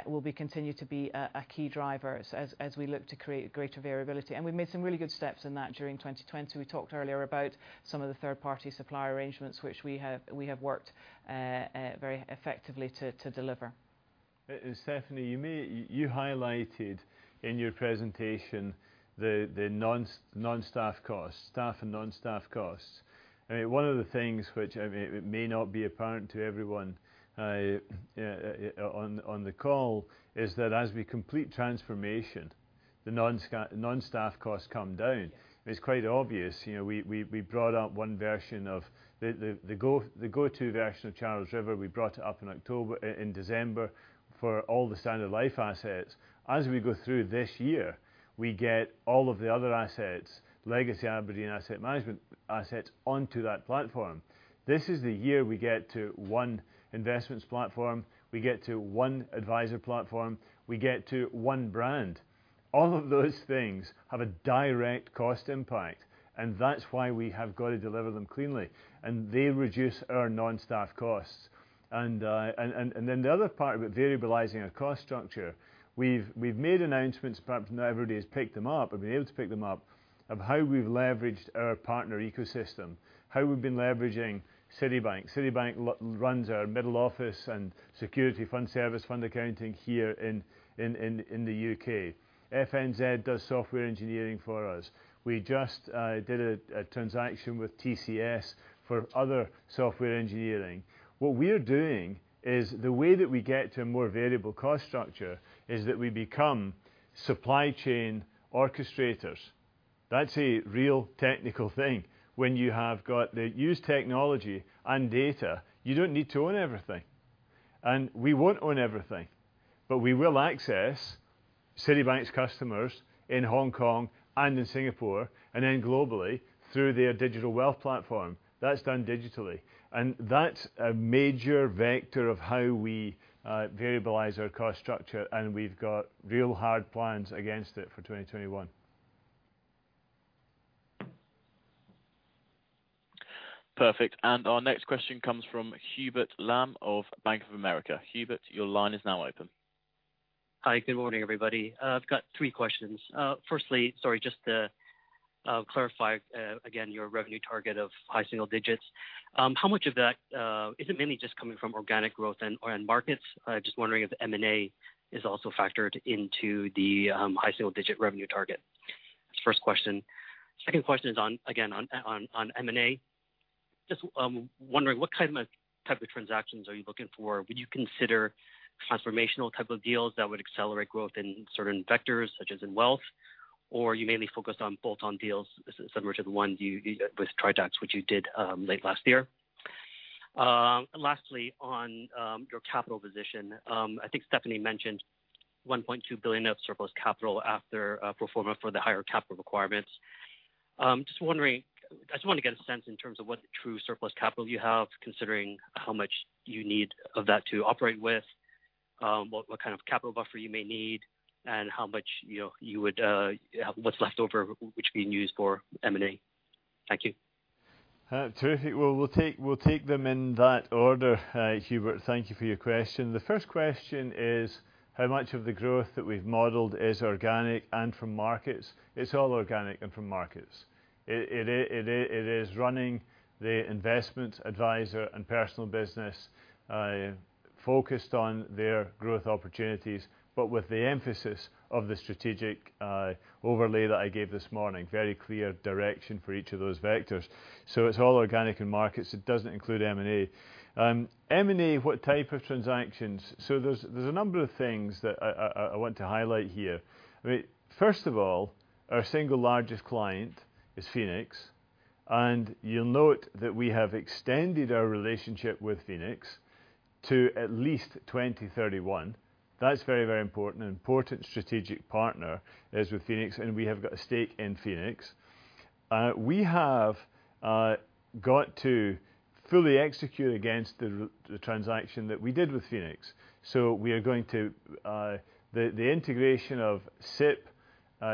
will be continued to be a key driver as we look to create greater variability. We've made some really good steps in that during 2020. We talked earlier about some of the third-party supplier arrangements which we have worked very effectively to deliver. Stephanie, you highlighted in your presentation the staff and non-staff costs. One of the things which may not be apparent to everyone on the call is that as we complete transformation, the non-staff costs come down. It's quite obvious. We brought up one version of the go-to version of Charles River. We brought it up in December for all the Standard Life assets. As we go through this year, we get all of the other assets, legacy Aberdeen Asset Management assets, onto that platform. This is the year we get to one investments platform. We get to one advisor platform. We get to one brand. All of those things have a direct cost impact, and that's why we have got to deliver them cleanly. They reduce our non-staff costs. The other part about variabilizing our cost structure, we've made announcements, perhaps not everybody has picked them up or been able to pick them up, of how we've leveraged our partner ecosystem, how we've been leveraging Citibank. Citibank runs our middle office and security fund service, fund accounting here in the U.K. FNZ does software engineering for us. We just did a transaction with TCS for other software engineering. What we are doing is the way that we get to a more variable cost structure is that we become supply chain orchestrators. That's a real technical thing. When you have got the used technology and data, you don't need to own everything. We won't own everything. We will access Citibank's customers in Hong Kong and in Singapore, and then globally through their digital wealth platform. That's done digitally. That's a major vector of how we variabilize our cost structure, and we've got real hard plans against it for 2021. Perfect. Our next question comes from Hubert Lam of Bank of America. Hubert, your line is now open. Hi. Good morning, everybody. I've got three questions. Firstly, sorry, just to clarify again your revenue target of high single digits. How much of that, is it mainly just coming from organic growth and markets? Just wondering if the M&A is also factored into the high single-digit revenue target? That's the first question. Second question is, again, on M&A. Just wondering what type of transactions are you looking for? Would you consider transformational type of deals that would accelerate growth in certain vectors, such as in wealth, or are you mainly focused on bolt-on deals similar to the one with Tritax, which you did late last year? Lastly, on your capital position. I think Stephanie mentioned 1.2 billion of surplus capital after performing for the higher capital requirements. Just wondering, I just want to get a sense in terms of what true surplus capital you have, considering how much you need of that to operate with, what kind of capital buffer you may need, and what's left over, which can be used for M&A. Thank you. Terrific. We'll take them in that order, Hubert. Thank you for your question. The first question is how much of the growth that we've modeled is organic and from markets. It's all organic and from markets. It is running the investment adviser and personal business focused on their growth opportunities, but with the emphasis of the strategic overlay that I gave this morning. Very clear direction for each of those vectors. It's all organic and markets. It doesn't include M&A. M&A, what type of transactions? There's a number of things that I want to highlight here. First of all, our single largest client is Phoenix, and you'll note that we have extended our relationship with Phoenix to at least 2031. That's very important. An important strategic partner is with Phoenix, and we have got a stake in Phoenix. We have got to fully execute against the transaction that we did with Phoenix. The integration of SIPP,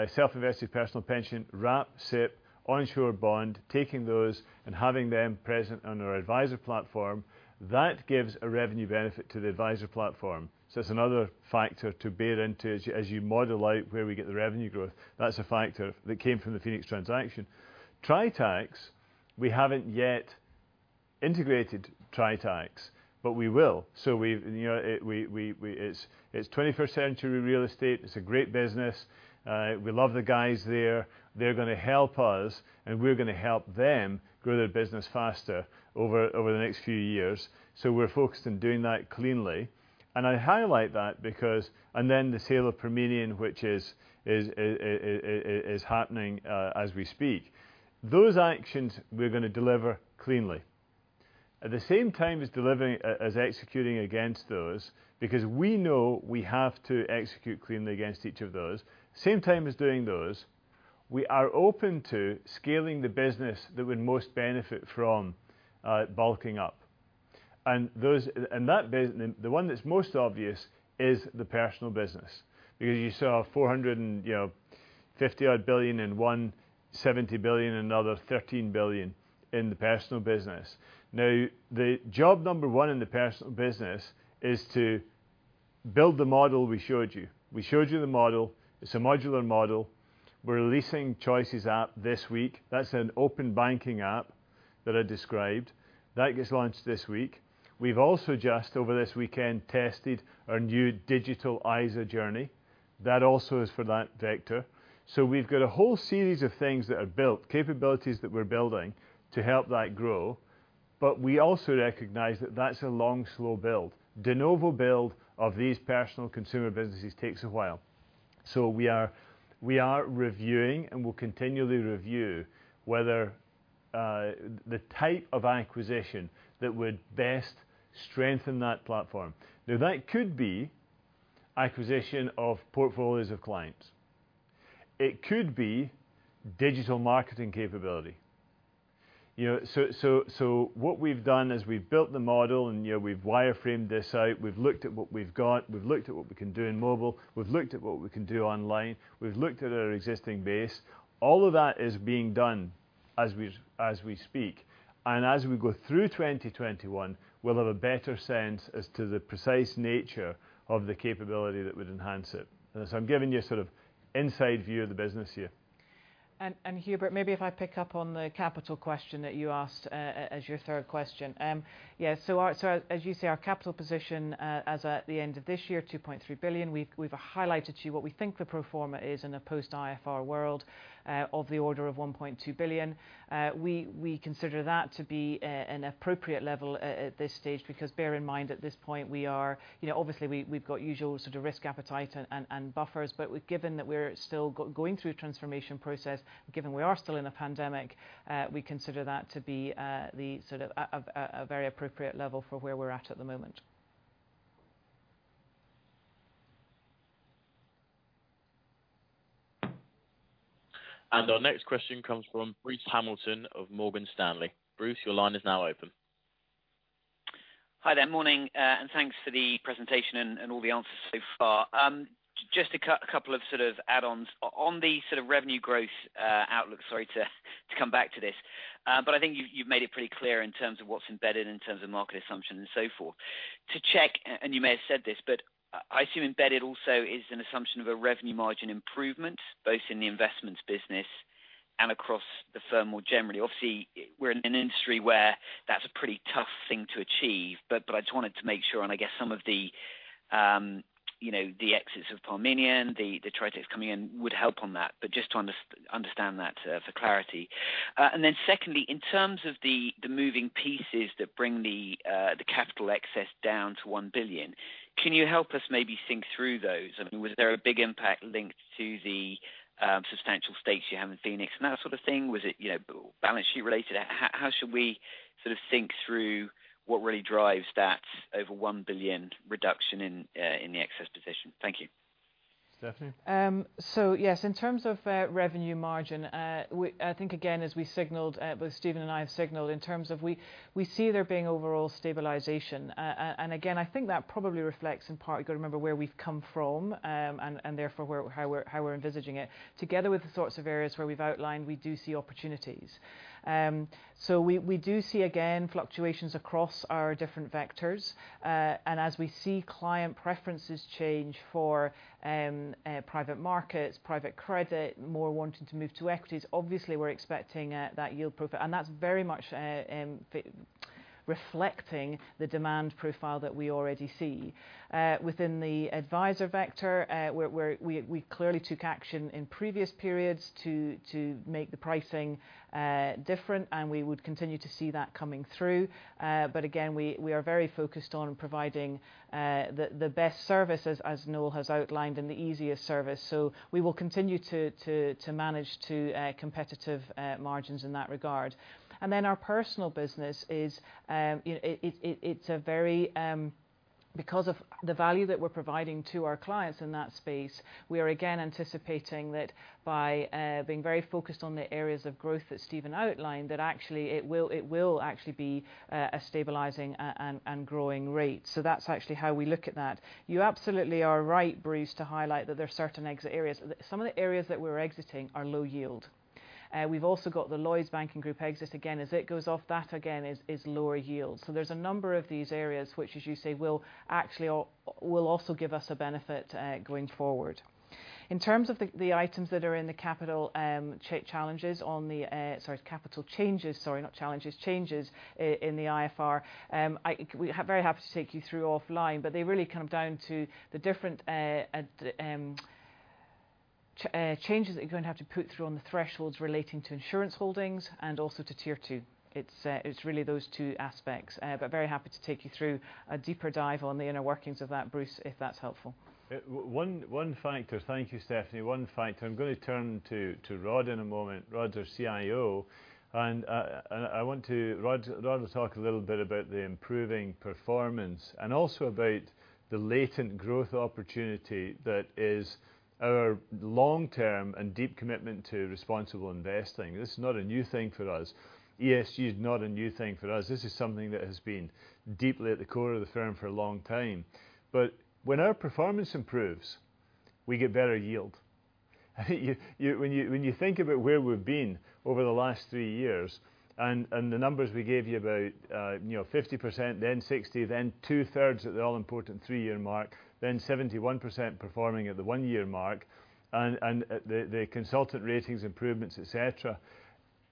self-invested personal pension, Wrap, SIPP, onshore bond, taking those and having them present on our adviser platform, that gives a revenue benefit to the adviser platform. It's another factor to bear into as you model out where we get the revenue growth. That's a factor that came from the Phoenix transaction. Tritax, we haven't yet integrated Tritax, but we will. It's 21st century real estate. It's a great business. We love the guys there. They're going to help us, and we're going to help them grow their business faster over the next few years. We're focused on doing that cleanly. I highlight that the sale of Parmenion, which is happening as we speak. Those actions we're going to deliver cleanly. At the same time as executing against those, because we know we have to execute cleanly against each of those. Same time as doing those, we are open to scaling the business that would most benefit from bulking up. The one that's most obvious is the personal business, because you saw 450-odd billion in one, 70 billion in another, 13 billion in the personal business. Now, the job number one in the personal business is to build the model we showed you. We showed you the model. It's a modular model. We're releasing Choices app this week. That's an open banking app that I described. That gets launched this week. We've also just, over this weekend, tested our new digital ISA journey. That also is for that vector. We've got a whole series of things that are built, capabilities that we're building to help that grow. We also recognize that that's a long, slow build. De novo build of these personal consumer businesses takes a while. We are reviewing, and we'll continually review whether the type of acquisition that would best strengthen that platform. That could be acquisition of portfolios of clients. It could be digital marketing capability. What we've done is we've built the model and we've wireframed this out. We've looked at what we've got. We've looked at what we can do in mobile. We've looked at what we can do online. We've looked at our existing base. All of that is being done as we speak. As we go through 2021, we'll have a better sense as to the precise nature of the capability that would enhance it. I'm giving you a sort of inside view of the business here. Hubert, maybe if I pick up on the capital question that you asked as your third question. Yeah. As you say, our capital position as at the end of this year, 2.3 billion. We've highlighted to you what we think the pro forma is in a post IFPR world of the order of 1.2 billion. We consider that to be an appropriate level at this stage, because bear in mind, at this point, obviously we've got usual sort of risk appetite and buffers, but given that we're still going through a transformation process, given we are still in a pandemic, we consider that to be a very appropriate level for where we're at at the moment. Our next question comes from Bruce Hamilton of Morgan Stanley. Bruce, your line is now open. Hi there. Morning. Thanks for the presentation and all the answers so far. Just a couple of sort of add-ons. On the sort of revenue growth outlook, sorry to come back to this, but I think you've made it pretty clear in terms of what's embedded in terms of market assumptions and so forth. To check, and you may have said this, but I assume embedded also is an assumption of a revenue margin improvement, both in the investments business and across the firm more generally. Obviously, we're in an industry where that's a pretty tough thing to achieve, but I just wanted to make sure, and I guess some of the exits of Parmenion, the Tritax coming in would help on that, but just to understand that for clarity. Secondly, in terms of the moving pieces that bring the capital excess down to 1 billion, can you help us maybe think through those? I mean, was there a big impact linked to the substantial stakes you have in Phoenix and that sort of thing? Was it balance sheet related? How should we sort of think through what really drives that over 1 billion reduction in the excess position? Thank you. Stephanie? Yes, in terms of revenue margin, I think, again, as both Stephen and I have signaled, in terms of we see there being overall stabilization. Again, I think that probably reflects in part, you've got to remember where we've come from, and therefore how we're envisaging it. Together with the sorts of areas where we've outlined, we do see opportunities. We do see, again, fluctuations across our different vectors. As we see client preferences change for private markets, private credit, more wanting to move to equities, obviously we're expecting that yield profile. That's very much reflecting the demand profile that we already see. Within the advisor vector, we clearly took action in previous periods to make the pricing different, and we would continue to see that coming through. Again, we are very focused on providing the best services, as Noel has outlined, and the easiest service. We will continue to manage to competitive margins in that regard. Our personal business, because of the value that we're providing to our clients in that space, we are again anticipating that by being very focused on the areas of growth that Stephen outlined, that actually it will actually be a stabilizing and growing rate. That's actually how we look at that. You absolutely are right, Bruce, to highlight that there are certain exit areas. Some of the areas that we're exiting are low yield. We've also got the Lloyds Banking Group exit, again, as it goes off, that again is lower yield. There's a number of these areas which, as you say, will also give us a benefit going forward. In terms of the items that are in the capital changes in the IFPR, I'd be very happy to take you through offline, they really come down to the different changes that you're going to have to put through on the thresholds relating to insurance holdings, and also to Tier 2. It's really those two aspects. Very happy to take you through a deeper dive on the inner workings of that, Bruce, if that's helpful. Thank you, Stephanie. One factor. I'm going to turn to Rod in a moment. Rod, our CIO. Rod will talk a little bit about the improving performance and also about the latent growth opportunity that is our long-term and deep commitment to responsible investing. This is not a new thing for us. ESG is not a new thing for us. This is something that has been deeply at the core of the firm for a long time. When our performance improves, we get better yield. When you think about where we've been over the last three years and the numbers we gave you, about 50%, then 60%, then two thirds at the all-important three-year mark, then 71% performing at the one-year mark, and the consultant ratings improvements, et cetera.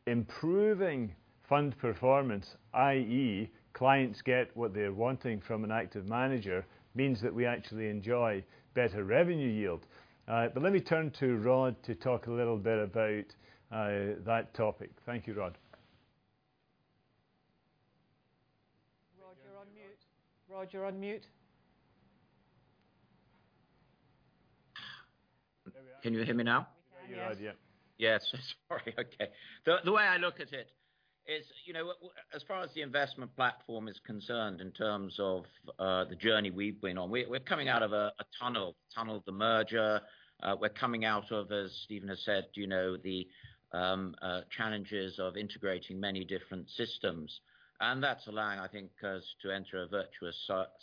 Improving fund performance, i.e. clients get what they're wanting from an active manager, means that we actually enjoy better revenue yield. Let me turn to Rod to talk a little bit about that topic. Thank you, Rod. Rod, you're on mute. There we are. Can you hear me now? There you are, yeah. Yes. Yeah. Sorry. Okay. The way I look at it is, as far as the investment platform is concerned in terms of the journey we've been on, we're coming out of a tunnel. Tunnel of the merger. We're coming out of, as Stephen has said, the challenges of integrating many different systems. That's allowing, I think, us to enter a virtuous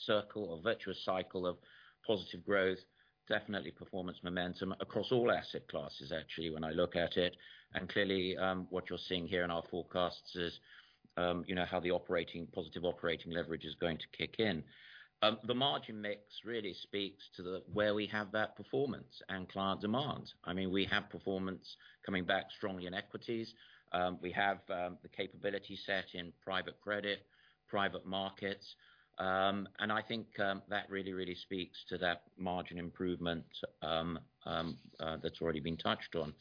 circle or virtuous cycle of positive growth. Definitely performance momentum across all asset classes, actually, when I look at it. Clearly, what you're seeing here in our forecasts is how the positive operating leverage is going to kick in. The margin mix really speaks to where we have that performance and client demand. We have performance coming back strongly in equities. We have the capability set in private credit, private markets. I think that really speaks to that margin improvement that's already been touched on.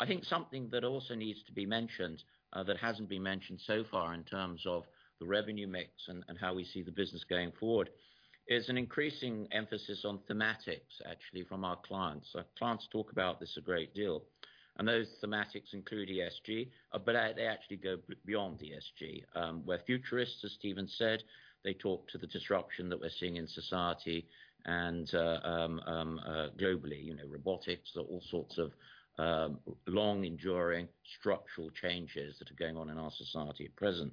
I think something that also needs to be mentioned that hasn't been mentioned so far in terms of the revenue mix and how we see the business going forward, is an increasing emphasis on thematics, actually, from our clients. Clients talk about this a great deal, and those thematics include ESG, but they actually go beyond ESG, where futurists, as Stephen said, they talk to the disruption that we're seeing in society and globally. Robotics, all sorts of long-enduring structural changes that are going on in our society at present.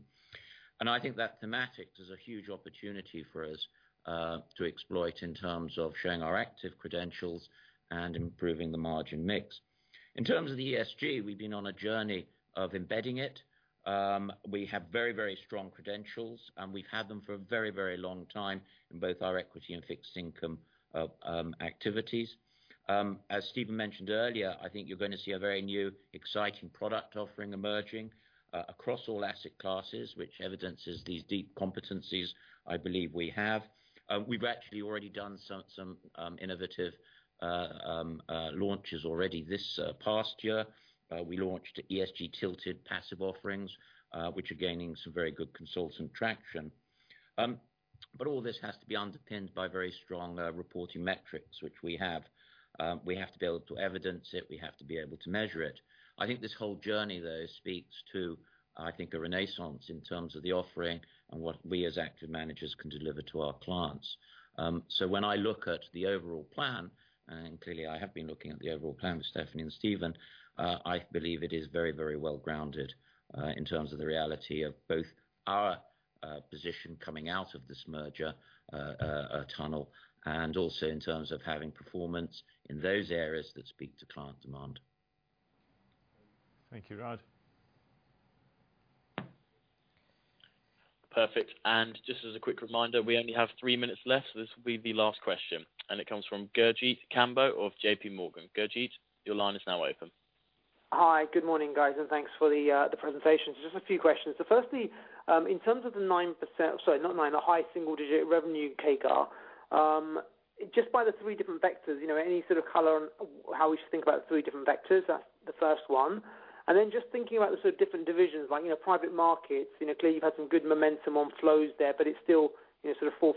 I think that thematics is a huge opportunity for us to exploit in terms of showing our active credentials and improving the margin mix. In terms of the ESG, we've been on a journey of embedding it. We have very strong credentials, and we've had them for a very long time in both our equity and fixed income activities. As Stephen mentioned earlier, I think you're going to see a very new, exciting product offering emerging across all asset classes, which evidences these deep competencies I believe we have. We've actually already done some innovative launches already this past year. We launched ESG-tilted passive offerings, which are gaining some very good consultant traction. All this has to be underpinned by very strong reporting metrics, which we have. We have to be able to evidence it. We have to be able to measure it. I think this whole journey, though, speaks to, I think, a renaissance in terms of the offering and what we as active managers can deliver to our clients. When I look at the overall plan, and clearly I have been looking at the overall plan with Stephanie and Steven, I believe it is very well-grounded in terms of the reality of both our position coming out of this merger tunnel and also in terms of having performance in those areas that speak to client demand. Thank you, Rod. Perfect. Just as a quick reminder, we only have three minutes left. This will be the last question, and it comes from Gurjit Kambo of JPMorgan. Gurjit, your line is now open. Hi. Good morning, guys, and thanks for the presentations. Just a few questions. Firstly, in terms of the high single-digit revenue CAGR, just by the three different vectors, any sort of color on how we should think about three different vectors? That's the first one. Just thinking about the different divisions, like private markets. Clearly, you've had some good momentum on flows there, but it's still 4%, 5%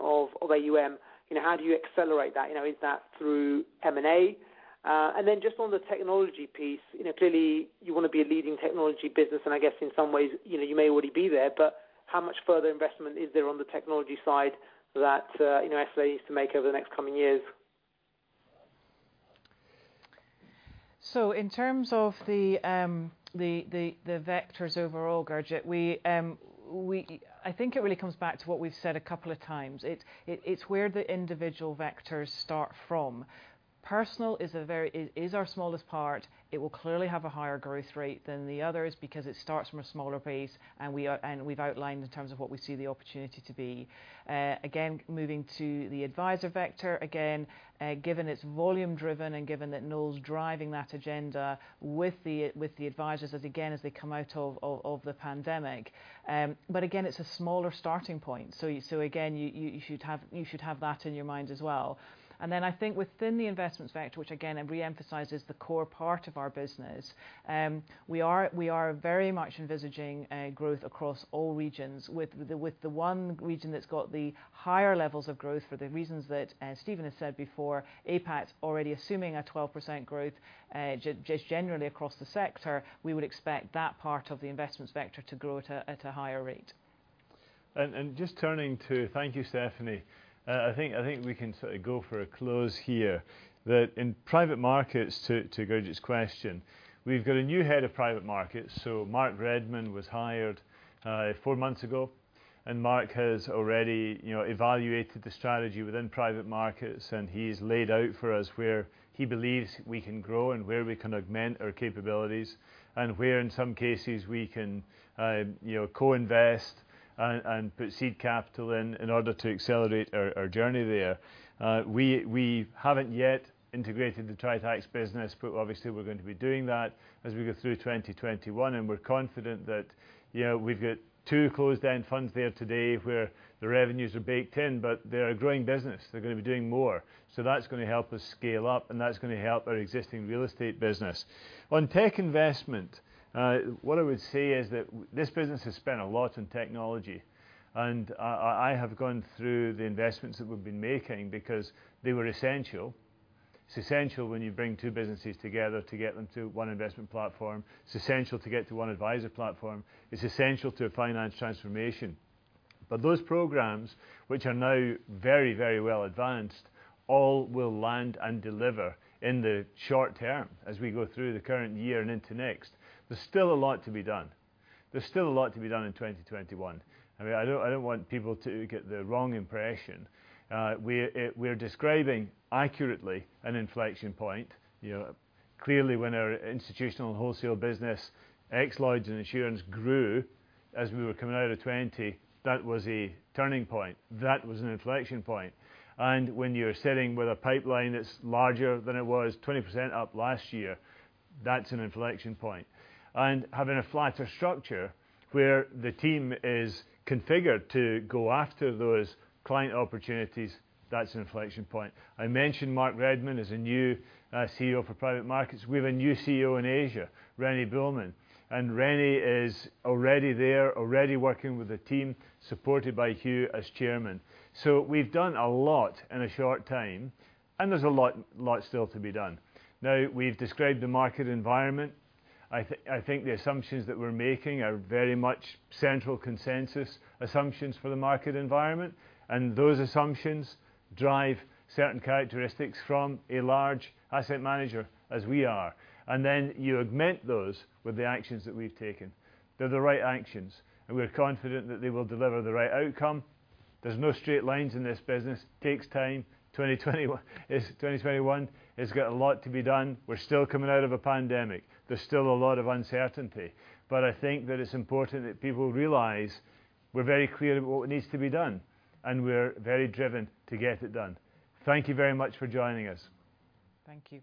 of AUM. How do you accelerate that? Is that through M&A? Just on the technology piece, clearly you want to be a leading technology business, and I guess in some ways you may already be there, but how much further investment is there on the technology side that SLA needs to make over the next coming years? In terms of the vectors overall, Gurjit, I think it really comes back to what we've said a couple of times. It's where the individual vectors start from. Personal is our smallest part. It will clearly have a higher growth rate than the others because it starts from a smaller base, and we've outlined in terms of what we see the opportunity to be. Moving to the advisor vector, again, given it's volume driven and given that Noel's driving that agenda with the advisors as, again, as they come out of the pandemic. Again, it's a smaller starting point. Again, you should have that in your mind as well. I think within the investments vector, which again re-emphasizes the core part of our business, we are very much envisaging growth across all regions with the one region that's got the higher levels of growth for the reasons that Stephen has said before. APAC's already assuming a 12% growth just generally across the sector. We would expect that part of the investments vector to grow at a higher rate. Thank you, Stephanie. I think we can go for a close here. In private markets, to Gurjit's question, we've got a new head of private markets. Mark Redman was hired four months ago, and Mark has already evaluated the strategy within private markets, and he's laid out for us where he believes we can grow and where we can augment our capabilities and where, in some cases, we can co-invest and put seed capital in in order to accelerate our journey there. We haven't yet integrated the Tritax business, but obviously, we're going to be doing that as we go through 2021, and we're confident that we've got two closed-end funds there today where the revenues are baked in, but they're a growing business. They're going to be doing more. That's going to help us scale up, and that's going to help our existing real estate business. On tech investment, what I would say is that this business has spent a lot on technology, and I have gone through the investments that we've been making because they were essential. It's essential when you bring two businesses together to get them to one investment platform. It's essential to get to one advisor platform. It's essential to a finance transformation. Those programs, which are now very well advanced, all will land and deliver in the short term as we go through the current year and into next. There's still a lot to be done. There's still a lot to be done in 2021. I don't want people to get the wrong impression. We're describing accurately an inflection point. Clearly when our institutional wholesale business, ex-Lloyds and Assurance grew as we were coming out of 2020, that was a turning point. That was an inflection point. When you're sitting with a pipeline that's larger than it was 20% up last year, that's an inflection point. Having a flatter structure where the team is configured to go after those client opportunities, that's an inflection point. I mentioned Mark Redman is a new CEO for Private Markets. We have a new CEO in Asia, René Buehlmann. René is already there, already working with the team, supported by Hugh as chairman. We've done a lot in a short time, and there's a lot still to be done. We've described the market environment. I think the assumptions that we're making are very much central consensus assumptions for the market environment, and those assumptions drive certain characteristics from a large asset manager, as we are. You augment those with the actions that we've taken. They're the right actions, and we're confident that they will deliver the right outcome. There's no straight lines in this business. Takes time. 2021 has got a lot to be done. We're still coming out of a pandemic. There's still a lot of uncertainty. I think that it's important that people realize we're very clear about what needs to be done, and we're very driven to get it done. Thank you very much for joining us. Thank you.